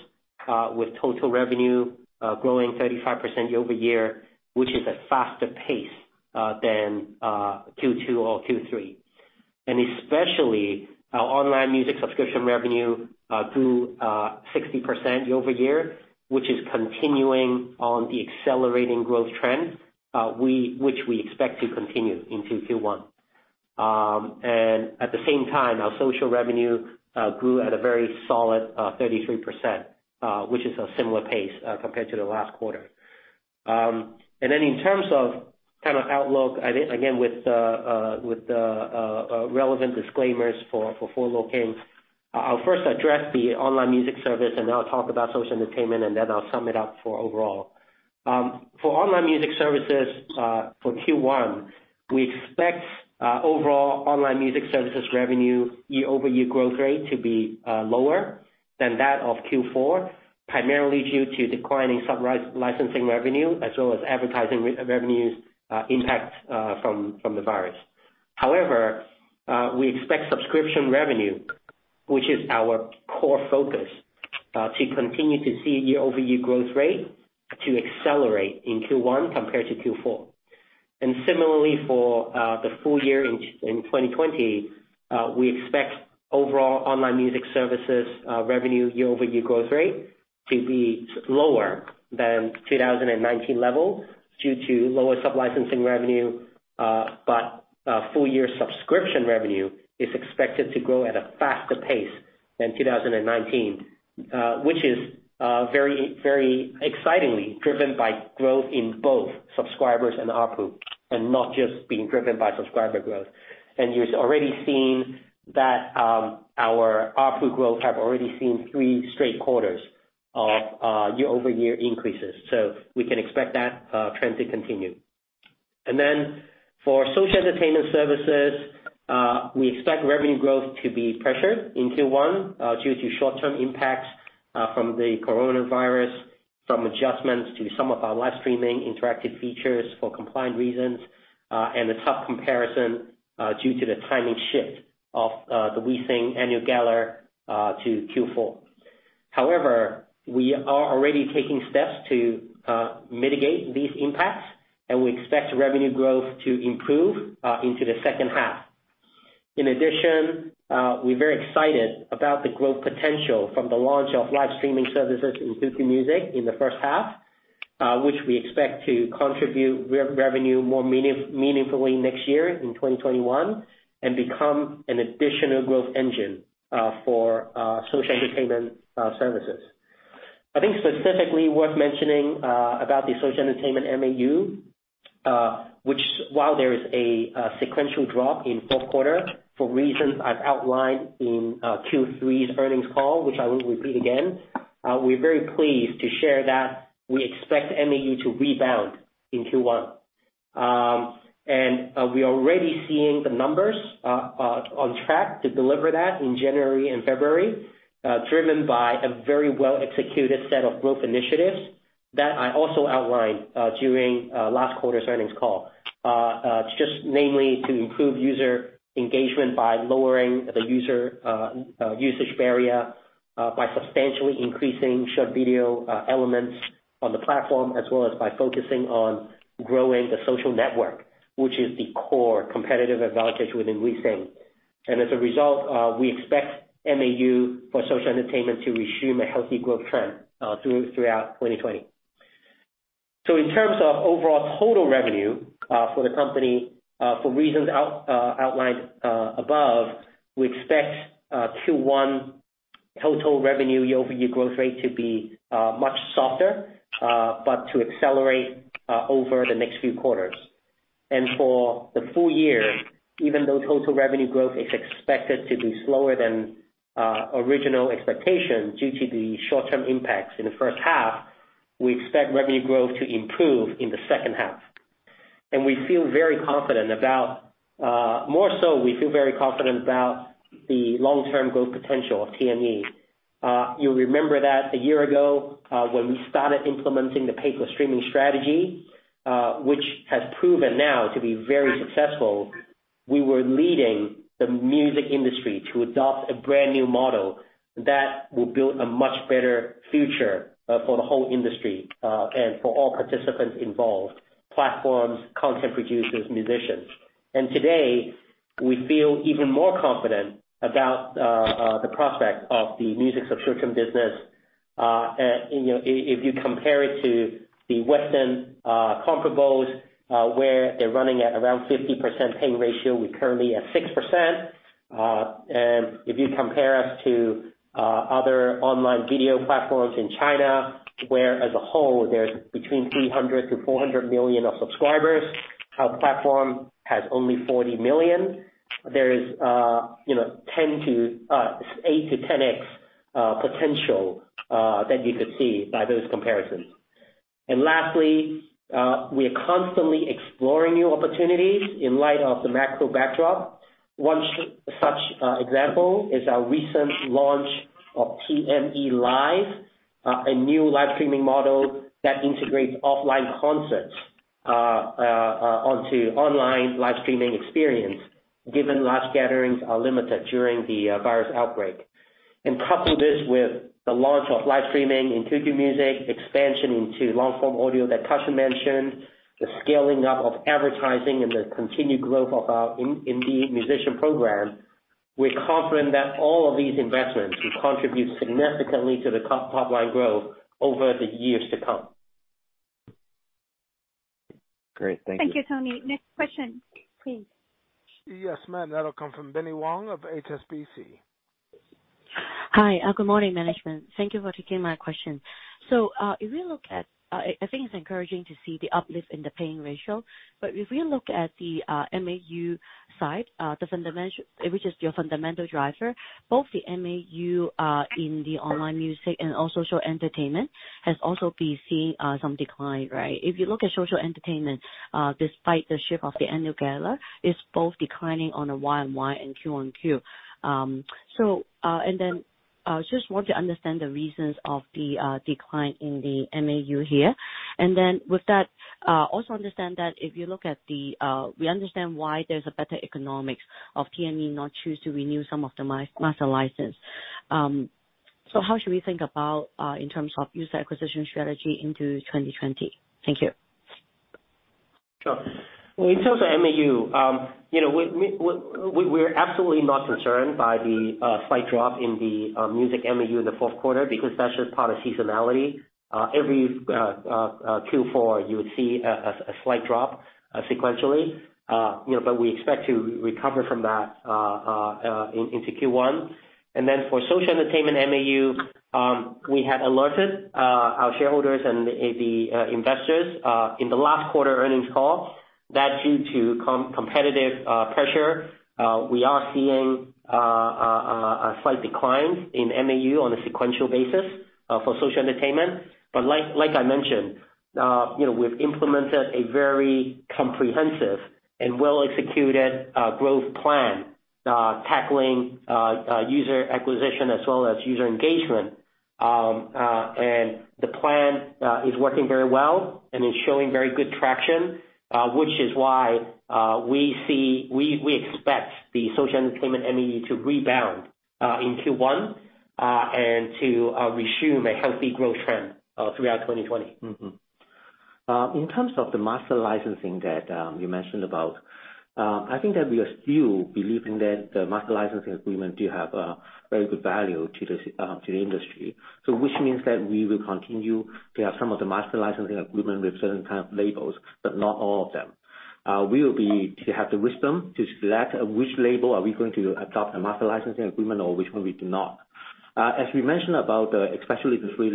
with total revenue growing 35% year-over-year, which is a faster pace than Q2 or Q3. Especially our online music subscription revenue grew 60% year-over-year, which is continuing on the accelerating growth trend which we expect to continue into Q1. At the same time, our social revenue grew at a very solid 33%, which is a similar pace compared to the last quarter. Then in terms of outlook, again, with relevant disclaimers for forward-looking, I'll first address the online music service, and then I'll talk about social entertainment, and then I'll sum it up for overall. For online music services for Q1, we expect overall online music services revenue year-over-year growth rate to be lower than that of Q4, primarily due to declining sub-licensing revenue as well as advertising revenues impact from the virus. However, we expect subscription revenue, which is our core focus, to continue to see year-over-year growth rate to accelerate in Q1 compared to Q4. Similarly for the full year in 2020, we expect overall online music services revenue year-over-year growth rate to be lower than 2019 levels due to lower sub-licensing revenue. Full-year subscription revenue is expected to grow at a faster pace than 2019, which is very excitingly driven by growth in both subscribers and ARPPU, not just being driven by subscriber growth. You've already seen that our ARPPU growth have already seen three straight quarters of year-over-year increases, so we can expect that trend to continue. Then for social entertainment services, we expect revenue growth to be pressured in Q1 due to short-term impacts from the coronavirus, from adjustments to some of our live streaming interactive features for compliance reasons, and a tough comparison due to the timing shift of the WeSing annual gala to Q4. We are already taking steps to mitigate these impacts, and we expect revenue growth to improve into the second half. In addition, we're very excited about the growth potential from the launch of live streaming services in QQ Music in the first half, which we expect to contribute revenue more meaningfully next year in 2021 and become an additional growth engine for social entertainment services. I think specifically worth mentioning about the social entertainment MAU, which while there is a sequential drop in fourth quarter for reasons I've outlined in Q3's earnings call, which I won't repeat again, we're very pleased to share that we expect MAU to rebound in Q1. We are already seeing the numbers on track to deliver that in January and February, driven by a very well-executed set of growth initiatives that I also outlined during last quarter's earnings call. Just namely to improve user engagement by lowering the user usage barrier, by substantially increasing short video elements on the platform, as well as by focusing on growing the social network, which is the core competitive advantage within WeSing. As a result, we expect MAU for social entertainment to resume a healthy growth trend throughout 2020. In terms of overall total revenue for the company, for reasons outlined above, we expect Q1 total revenue year-over-year growth rate to be much softer, but to accelerate over the next few quarters. For the full year, even though total revenue growth is expected to be slower than original expectations due to the short-term impacts in the first half, we expect revenue growth to improve in the second half. More so, we feel very confident about the long-term growth potential of TME. You'll remember that a year ago, when we started implementing the pay for streaming strategy, which has proven now to be very successful, we were leading the music industry to adopt a brand new model that will build a much better future for the whole industry, and for all participants involved, platforms, content producers, musicians. Today, we feel even more confident about the prospect of the music subscription business. If you compare it to the Western comparables, where they're running at around 50% paying ratio, we're currently at 6%. If you compare us to other online video platforms in China, where as a whole, there's between 300 million to 400 million of subscribers, our platform has only 40 million. There is 8x-10x potential that you could see by those comparisons. Lastly, we are constantly exploring new opportunities in light of the macro backdrop. One such example is our recent launch of TME Live, a new live streaming model that integrates offline concerts onto online live streaming experience, given large gatherings are limited during the virus outbreak. Couple this with the launch of live streaming in QQ Music, expansion into long-form audio that Kar Shun mentioned, the scaling up of advertising, and the continued growth of our indie musician program, we're confident that all of these investments will contribute significantly to the top-line growth over the years to come. Great. Thank you. Thank you, Tony. Next question, please. Yes, ma'am, that'll come from Binnie Wong of HSBC. Hi, good morning management. Thank you for taking my question. I think it's encouraging to see the uplift in the paying ratio. If we look at the MAU side, which is your fundamental driver, both the MAU in the online music and also social entertainment has also been seeing some decline, right? If you look at social entertainment, despite the shift of the annual gala, it's both declining on a year-over-year and quarter-over-quarter. I just want to understand the reasons of the decline in the MAU here. With that, we understand why there's a better economics of TME not choose to renew some of the master license. How should we think about in terms of user acquisition strategy into 2020? Thank you. Sure. Well, in terms of MAU, we're absolutely not concerned by the slight drop in the music MAU in the fourth quarter because that's just part of seasonality. Every Q4, you would see a slight drop sequentially. We expect to recover from that into Q1. For social entertainment MAU, we had alerted our shareholders and the investors in the last quarter earnings call that due to competitive pressure, we are seeing a slight decline in MAU on a sequential basis for social entertainment. Like I mentioned, we've implemented a very comprehensive and well-executed growth plan, tackling user acquisition as well as user engagement. The plan is working very well and is showing very good traction, which is why we expect the social entertainment MAU to rebound in Q1, and to resume a healthy growth trend throughout 2020. In terms of the master licensing that you mentioned about, I think that we are still believing that the master licensing agreement do have a very good value to the industry. Which means that we will continue to have some of the master licensing agreement with certain kind of labels, but not all of them. We will have the wisdom to select which label are we going to adopt a master licensing agreement or which one we do not. As we mentioned about, especially the three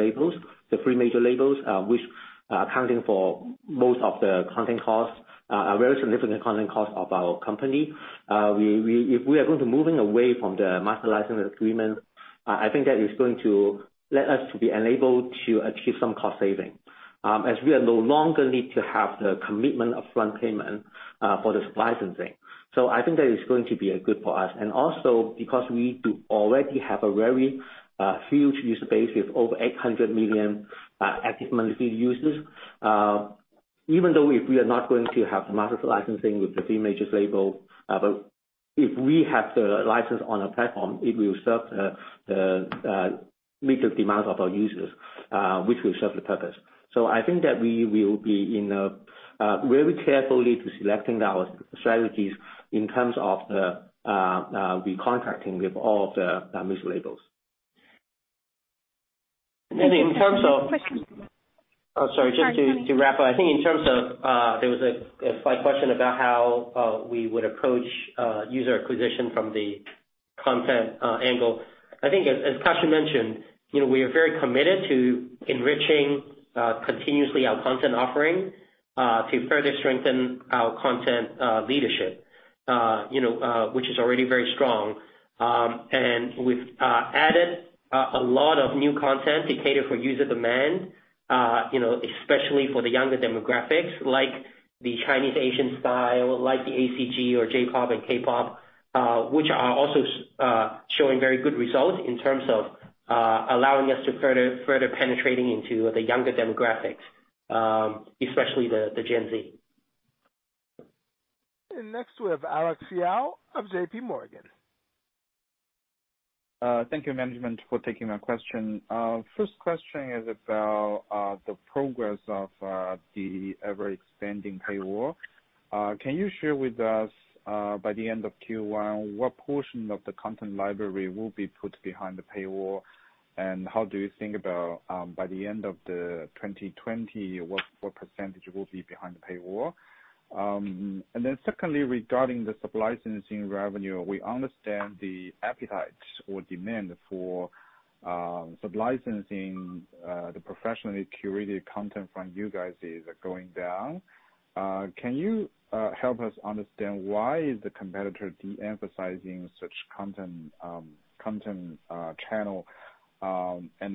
major labels, which are accounting for most of the content costs, are very significant content cost of our company. If we are going to moving away from the master licensing agreement, I think that is going to let us to be enabled to achieve some cost saving, as we are no longer need to have the commitment upfront payment, for the supply licensing. I think that is going to be a good for us. Also because we do already have a very huge user base with over 800 million active monthly users. Even though if we are not going to have master licensing with the three major labels, but if we have the license on a platform, it will serve the major demands of our users, which will serve the purpose. I think that we will be in a very carefully to selecting our strategies in terms of the recontracting with all of the music labels. In terms of—Oh, sorry. Just to wrap up, I think in terms of, there was a slight question about how we would approach user acquisition from the content angle. I think as Kar Shun mentioned, we are very committed to enriching continuously our content offering, to further strengthen our content leadership which is already very strong. We've added a lot of new content to cater for user demand especially for the younger demographics, like the Chinese ancient style, like the ACG or J-pop and K-pop, which are also showing very good results in terms of allowing us to further penetrating into the younger demographics, especially the Gen Z. Next we have Alex Yao of JPMorgan. Thank you, management, for taking my question. First question is about the progress of the ever-expanding paywall. Can you share with us, by the end of Q1, what portion of the content library will be put behind the paywall? How do you think about, by the end of 2020, what % will be behind the paywall? Secondly, regarding the supply licensing revenue, we understand the appetite or demand for sub-licensing the professionally curated content from you guys is going down. Can you help us understand why is the competitor de-emphasizing such content channel?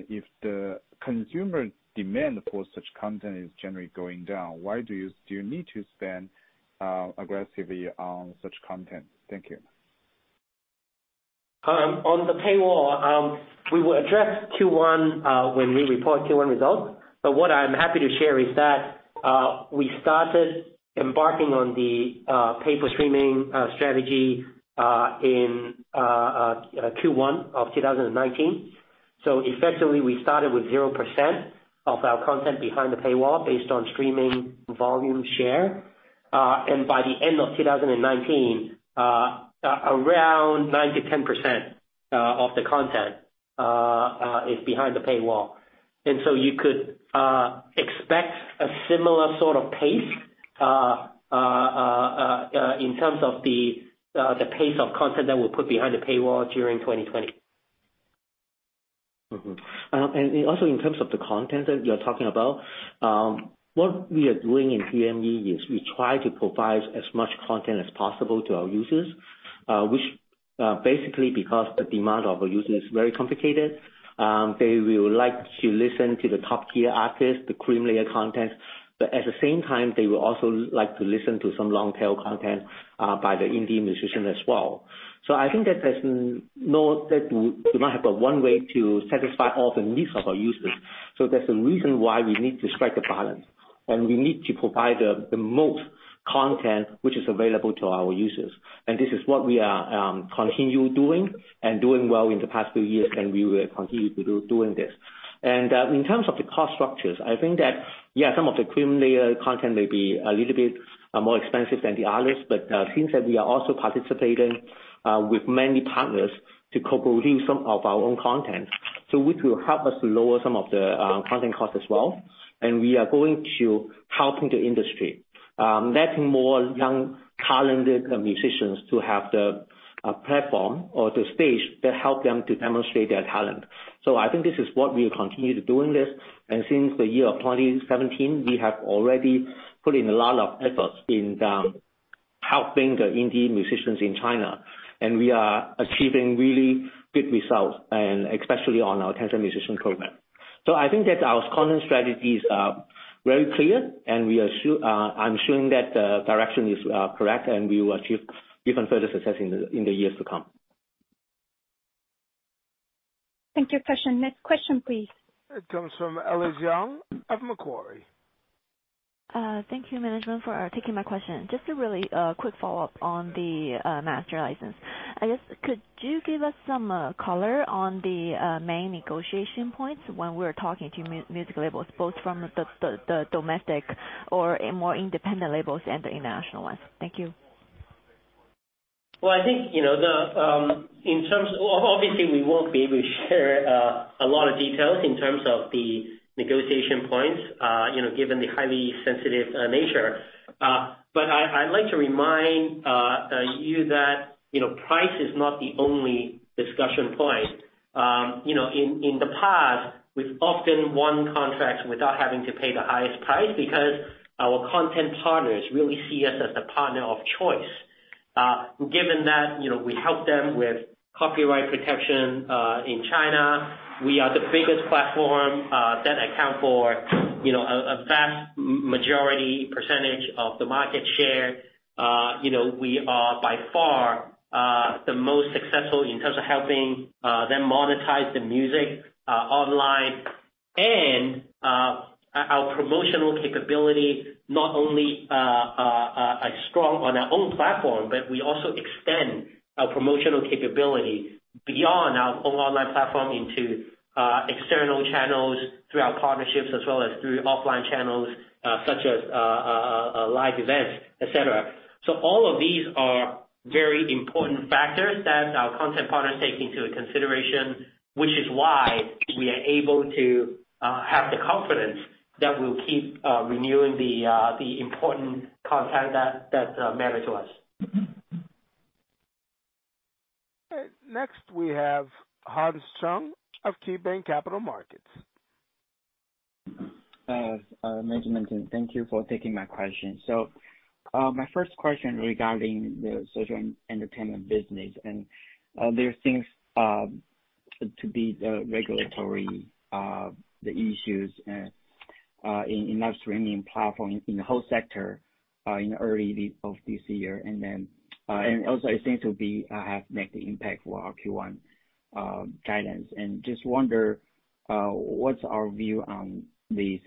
If the consumer demand for such content is generally going down, do you need to spend aggressively on such content? Thank you. On the paywall, we will address Q1 when we report Q1 results. What I'm happy to share is that we started embarking on the pay for streaming strategy in Q1 of 2019. Effectively, we started with 0% of our content behind the paywall based on streaming volume share. By the end of 2019, around 9%-10% of the content is behind the paywall. You could expect a similar sort of pace. In terms of the pace of content that we'll put behind the paywall during 2020. Also in terms of the content that you're talking about, what we are doing in TME is we try to provide as much content as possible to our users, which basically because the demand of our users is very complicated, they will like to listen to the top-tier artists, the cream layer content, but at the same time, they will also like to listen to some long tail content by the indie musicians as well. I think that there's no one way to satisfy all the needs of our users. That's the reason why we need to strike a balance, and we need to provide the most content which is available to our users. This is what we are continue doing, and doing well in the past few years, and we will continue doing this. In terms of the cost structures, I think that, some of the cream layer content may be a little bit more expensive than the others, but since that we are also participating with many partners to co-produce some of our own content, so which will help us lower some of the content costs as well. We are going to helping the industry. Let more young talented musicians to have the platform or the stage that help them to demonstrate their talent. I think this is what we will continue doing this, and since the year 2017, we have already put in a lot of efforts in helping the indie musicians in China. We are achieving really good results, and especially on our Tencent Musician Program. I think that our content strategies are very clear and I'm showing that the direction is correct and we will achieve even further success in the years to come. Thank you. Next question, please. It comes from Alex Ziyang of Macquarie. Thank you, management, for taking my question. Just a really quick follow-up on the master license. I guess could you give us some color on the main negotiation points when we're talking to music labels, both from the domestic or more independent labels and the international ones? Thank you. Well, I think obviously we won't be able to share a lot of details in terms of the negotiation points, given the highly sensitive nature. I'd like to remind you that price is not the only discussion point. In the past, we've often won contracts without having to pay the highest price because our content partners really see us as the partner of choice. Given that we help them with copyright protection in China, we are the biggest platform that account for a vast majority percentage of the market share. We are by far the most successful in terms of helping them monetize the music online and our promotional capability, not only are strong on our own platform, but we also extend our promotional capability beyond our own online platform into external channels through our partnerships as well as through offline channels such as live events, et cetera. All of these are very important factors that our content partners take into consideration, which is why we are able to have the confidence that we'll keep renewing the important content that matter to us. Next we have Hans Chung of KeyBanc Capital Markets. Management team, thank you for taking my question. My first question regarding the social entertainment business, there seems to be the regulatory issues in live streaming platform in the whole sector in early of this year. It seems to have make the impact for our Q1 guidance. Just wonder what's our view on this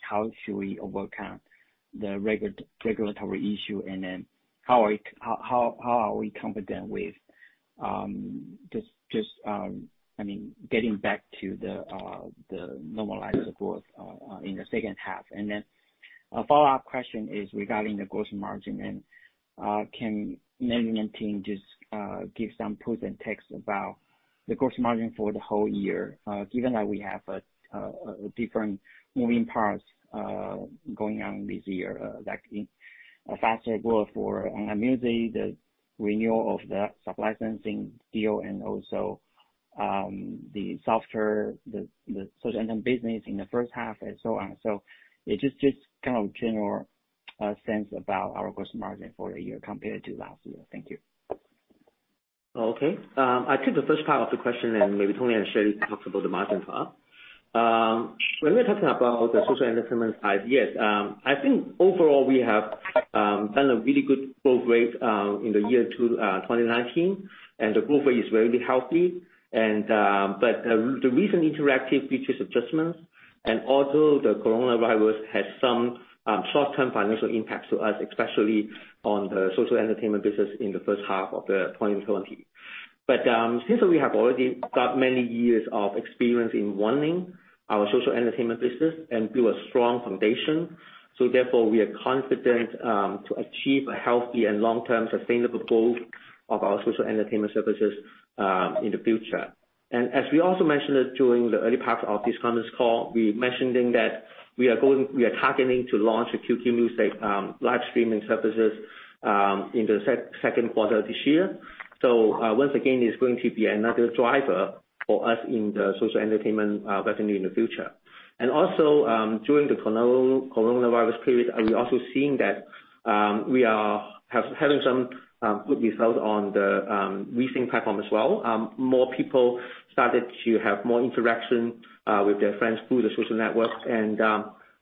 how should we overcome the regulatory issue, how are we confident with just getting back to the normalized growth in the second half? A follow-up question is regarding the gross margin. Can management team just give some pulse and takes about the gross margin for the whole year? Given that we have different moving parts going on this year, like in faster growth for online music, the renewal of the sub-licensing deal and also the software, the social entertainment business in the first half and so on. Just kind of general sense about our gross margin for the year compared to last year. Thank you. Okay. I take the first part of the question and maybe Tony and Shirley talk about the margin part. I think overall we have done a really good growth rate in the year 2019, and the growth rate is very healthy. The recent interactive features adjustments and also the coronavirus has some short-term financial impacts to us, especially on the social entertainment business in the first half of 2020. Since we have already got many years of experience in running our social entertainment business and built a strong foundation, we are confident to achieve a healthy and long-term sustainable growth of our social entertainment services in the future. As we also mentioned during the early part of this conference call, we mentioned that we are targeting to launch a QQ Music live streaming services in the second quarter of this year. Once again, it's going to be another driver for us in the social entertainment revenue in the future. Also, during the coronavirus period, we are also seeing that we are having some good results on the WeSing platform as well. More people started to have more interaction with their friends through the social network.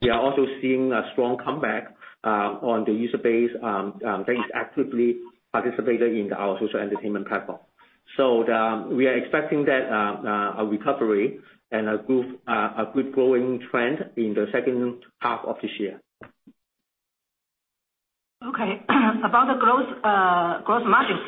We are also seeing a strong comeback on the user base, they actively participated in our social entertainment platform. We are expecting that a recovery and a good growing trend in the second half of this year. Okay. About the gross margin.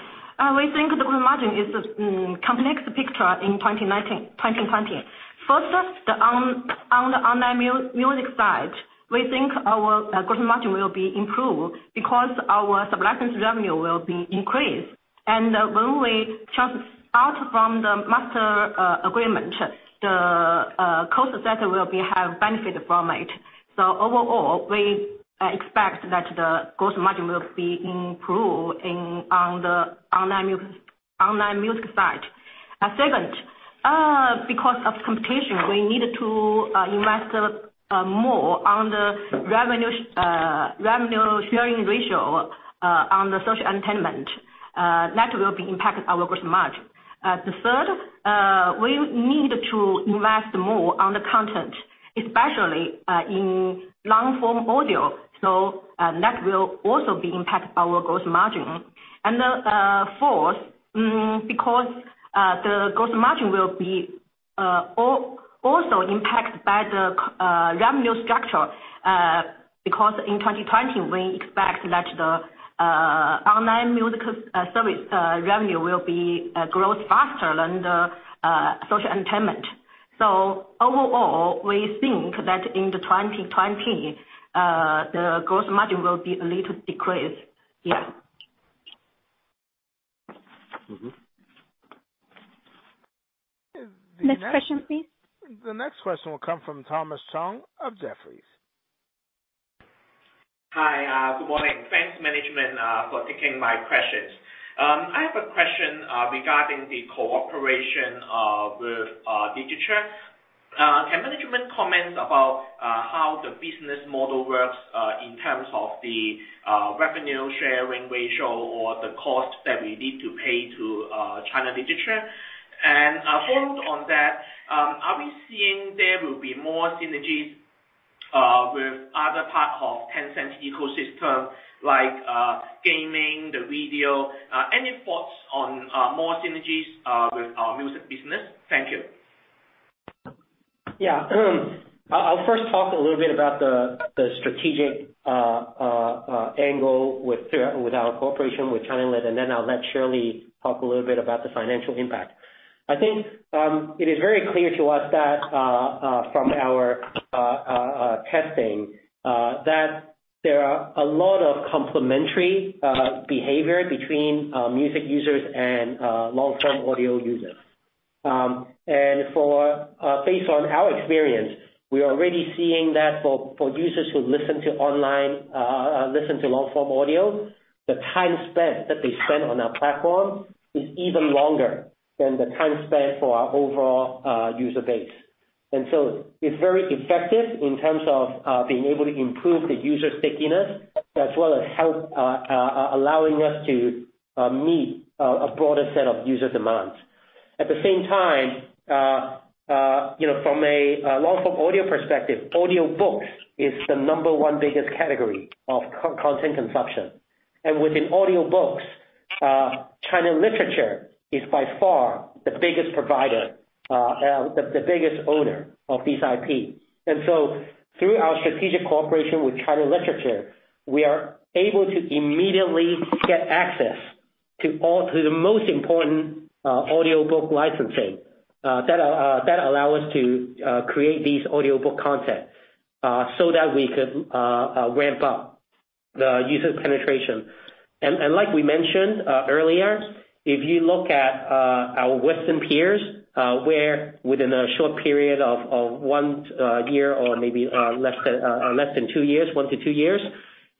We think the gross margin is a complex picture in 2020. First, on the online music side, we think our gross margin will be improved because our sub-license revenue will be increased. When we close out from the master agreement, the cost structure will have benefit from it. Overall, we expect that the gross margin will be improved on the online music side. Second, because of competition, we needed to invest more on the revenue sharing ratio on the social entertainment. That will impact our gross margin. Third, we need to invest more on the content, especially in long-form audio. That will also impact our gross margin. Fourth, because the gross margin will be also impacted by the revenue structure, because in 2020, we expect that the online music service revenue will grow faster than the social entertainment. Overall, we think that in the 2020, the gross margin will be a little decreased. Yeah. Next question, please. The next question will come from Thomas Chong of Jefferies. Hi, good morning. Thanks, management, for taking my questions. I have a question regarding the cooperation with China Literature. Can management comment about how the business model works, in terms of the revenue sharing ratio or the cost that we need to pay to China Literature? Followed on that, are we seeing there will be more synergies with other parts of Tencent ecosystem like gaming, the video? Any thoughts on more synergies with our music business? Thank you. Yeah. I'll first talk a little bit about the strategic angle with our cooperation with China Literature, and then I'll let Shirley talk a little bit about the financial impact. I think it is very clear to us that from our testing, that there are a lot of complementary behavior between music users and long-form audio users. Based on our experience, we are already seeing that for users who listen to long-form audio, the time spent that they spend on our platform is even longer than the time spent for our overall user base. So it's very effective in terms of being able to improve the user stickiness, as well as help allowing us to meet a broader set of user demands. At the same time, from a long-form audio perspective, audiobooks is the number one biggest category of content consumption. Within audiobooks, China Literature is by far the biggest owner of these IP. Through our strategic cooperation with China Literature, we are able to immediately get access to the most important audiobook licensing that allow us to create these audiobook content, so that we could ramp up the user penetration. Like we mentioned earlier, if you look at our Western peers, where within a short period of one year or maybe less than two years, one to two years,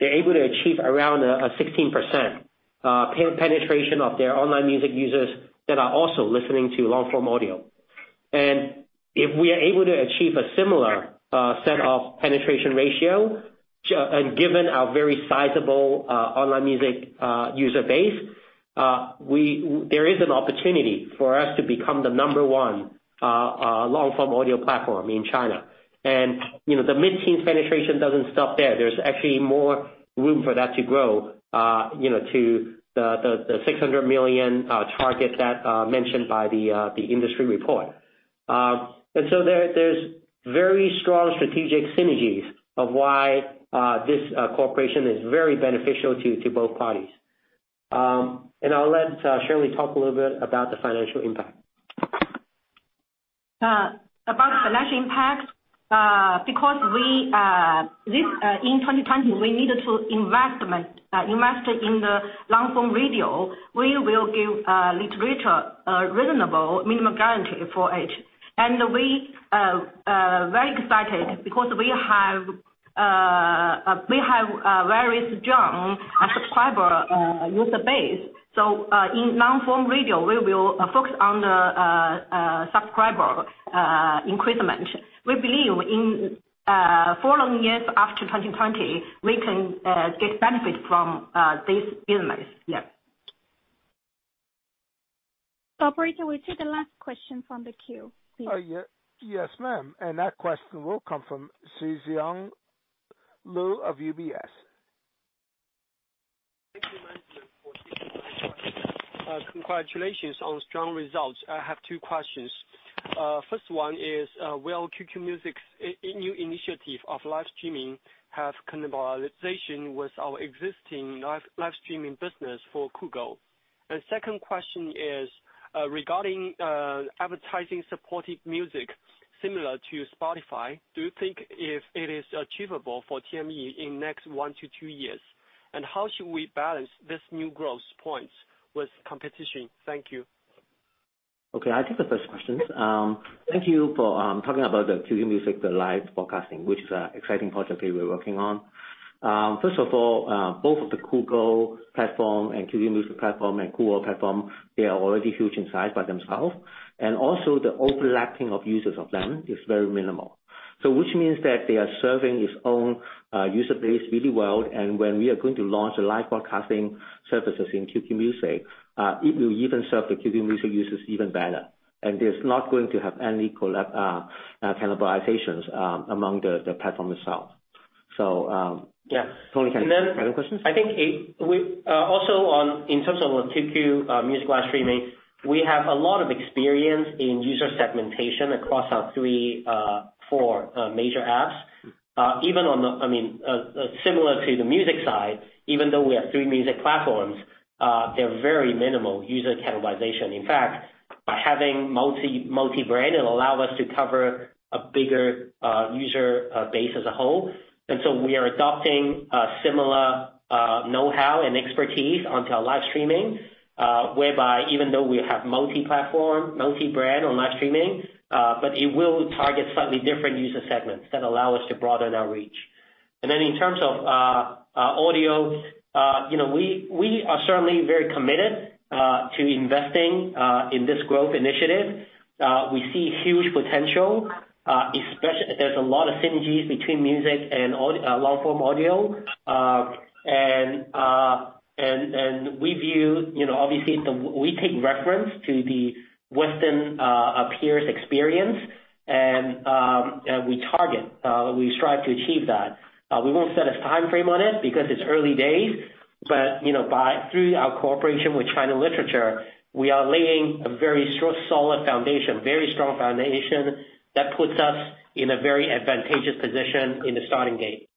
they're able to achieve around a 16% penetration of their online music users that are also listening to long-form audio. If we are able to achieve a similar set of penetration ratio, and given our very sizable online music user base, there is an opportunity for us to become the number one long-form audio platform in China. The mid-teen penetration doesn't stop there. There's actually more room for that to grow to the 600 million target that mentioned by the industry report. There's very strong strategic synergies of why this cooperation is very beneficial to both parties. I'll let Shirley talk a little bit about the financial impact. About the financial impact, because we, in 2020, we needed to invest in the long-form audio. We will give China Literature a reasonable minimum guarantee for it. We are very excited because we have a very strong subscriber user base. In long-form audio, we will focus on the subscriber increment. We believe in four years after 2020, we can get benefit from this business. Yeah. Operator, we take the last question from the queue, please. Yes, ma'am. That question will come from Zhijing Liu of UBS. Thank you, management, for taking my question. Congratulations on strong results. I have two questions. First one is, will QQ Music's new initiative of live streaming have cannibalization with our existing live streaming business for Kugou? Second question is, regarding advertising supported music similar to Spotify, do you think if it is achievable for TME in next one to two years? How should we balance this new growth points with competition? Thank you. Okay. I take the first question. Thank you for talking about the QQ Music, the live broadcasting, which is an exciting project that we're working on. First of all, both of the Kugou platform and QQ Music platform and Kugou platform, they are already huge in size by themselves, and also the overlapping of users of them is very minimal. Which means that they are serving its own user base really well. When we are going to launch the live broadcasting services in QQ Music, it will even serve the QQ Music users even better. There's not going to have any cannibalizations among the platform itself. Yeah. Tony, any other questions? I think also in terms of QQ Music live streaming, we have a lot of experience in user segmentation across our four major apps. Similar to the music side, even though we have three music platforms, they're very minimal user cannibalization. In fact, by having multi-brand, it allow us to cover a bigger user base as a whole, so we are adopting a similar knowhow and expertise onto our live streaming, whereby even though we have multi-platform, multi-brand on live streaming, it will target slightly different user segments that allow us to broaden our reach. In terms of audio, we are certainly very committed to investing in this growth initiative. We see huge potential. There's a lot of synergies between music and long-form audio. Obviously, we take reference to the Western peers experience, and we strive to achieve that. We won't set a timeframe on it because it's early days. Through our cooperation with China Literature, we are laying a very strong foundation that puts us in a very advantageous position in the starting gate.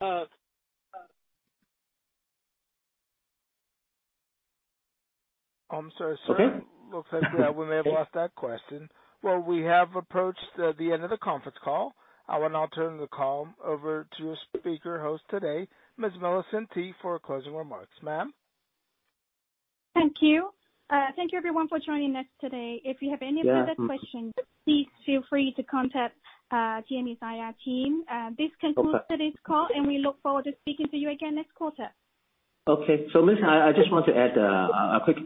Oh. I'm sorry, sir. Looks like we may have lost that question. Well, we have approached the end of the conference call. I will now turn the call over to your speaker host today, Ms. Millicent Tu, for closing remarks. Ma'am. Thank you. Thank you everyone for joining us today. If you have any further questions, please feel free to contact TME's IR team. This concludes today's call. We look forward to speaking to you again next quarter. Okay. Millicent, I just want to add a quick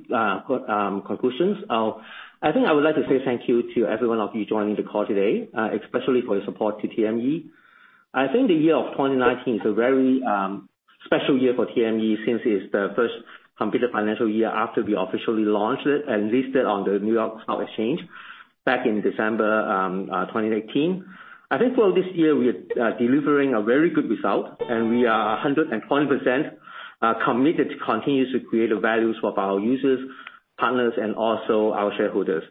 conclusion. I think I would like to say thank you to every one of you joining the call today, especially for your support to TME. I think the year of 2019 is a very special year for TME since it's the first completed financial year after we officially launched it and listed on the New York Stock Exchange back in December 2018. I think for this year, we are delivering a very good result, and we are 120% committed to continue to create values for our users, partners, and also our shareholders.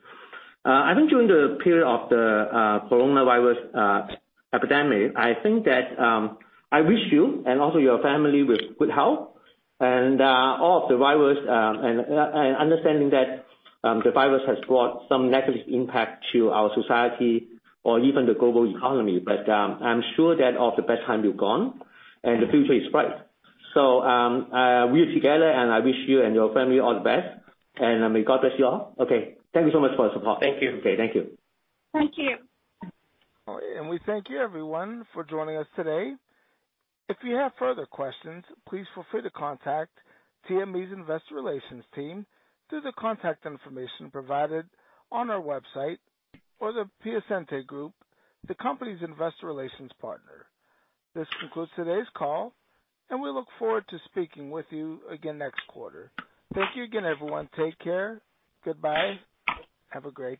I think during the period of the coronavirus epidemic, I wish you and also your family with good health. Understanding that the virus has brought some negative impact to our society or even the global economy, but I'm sure that all the bad time will be gone, and the future is bright. We are together, and I wish you and your family all the best. May God bless you all. Okay. Thank you so much for the support. Thank you. Okay. Thank you. Thank you. We thank you everyone for joining us today. If you have further questions, please feel free to contact TME's investor relations team through the contact information provided on our website, or The Piacente Group, the company's investor relations partner. This concludes today's call, and we look forward to speaking with you again next quarter. Thank you again, everyone. Take care. Goodbye. Have a great day.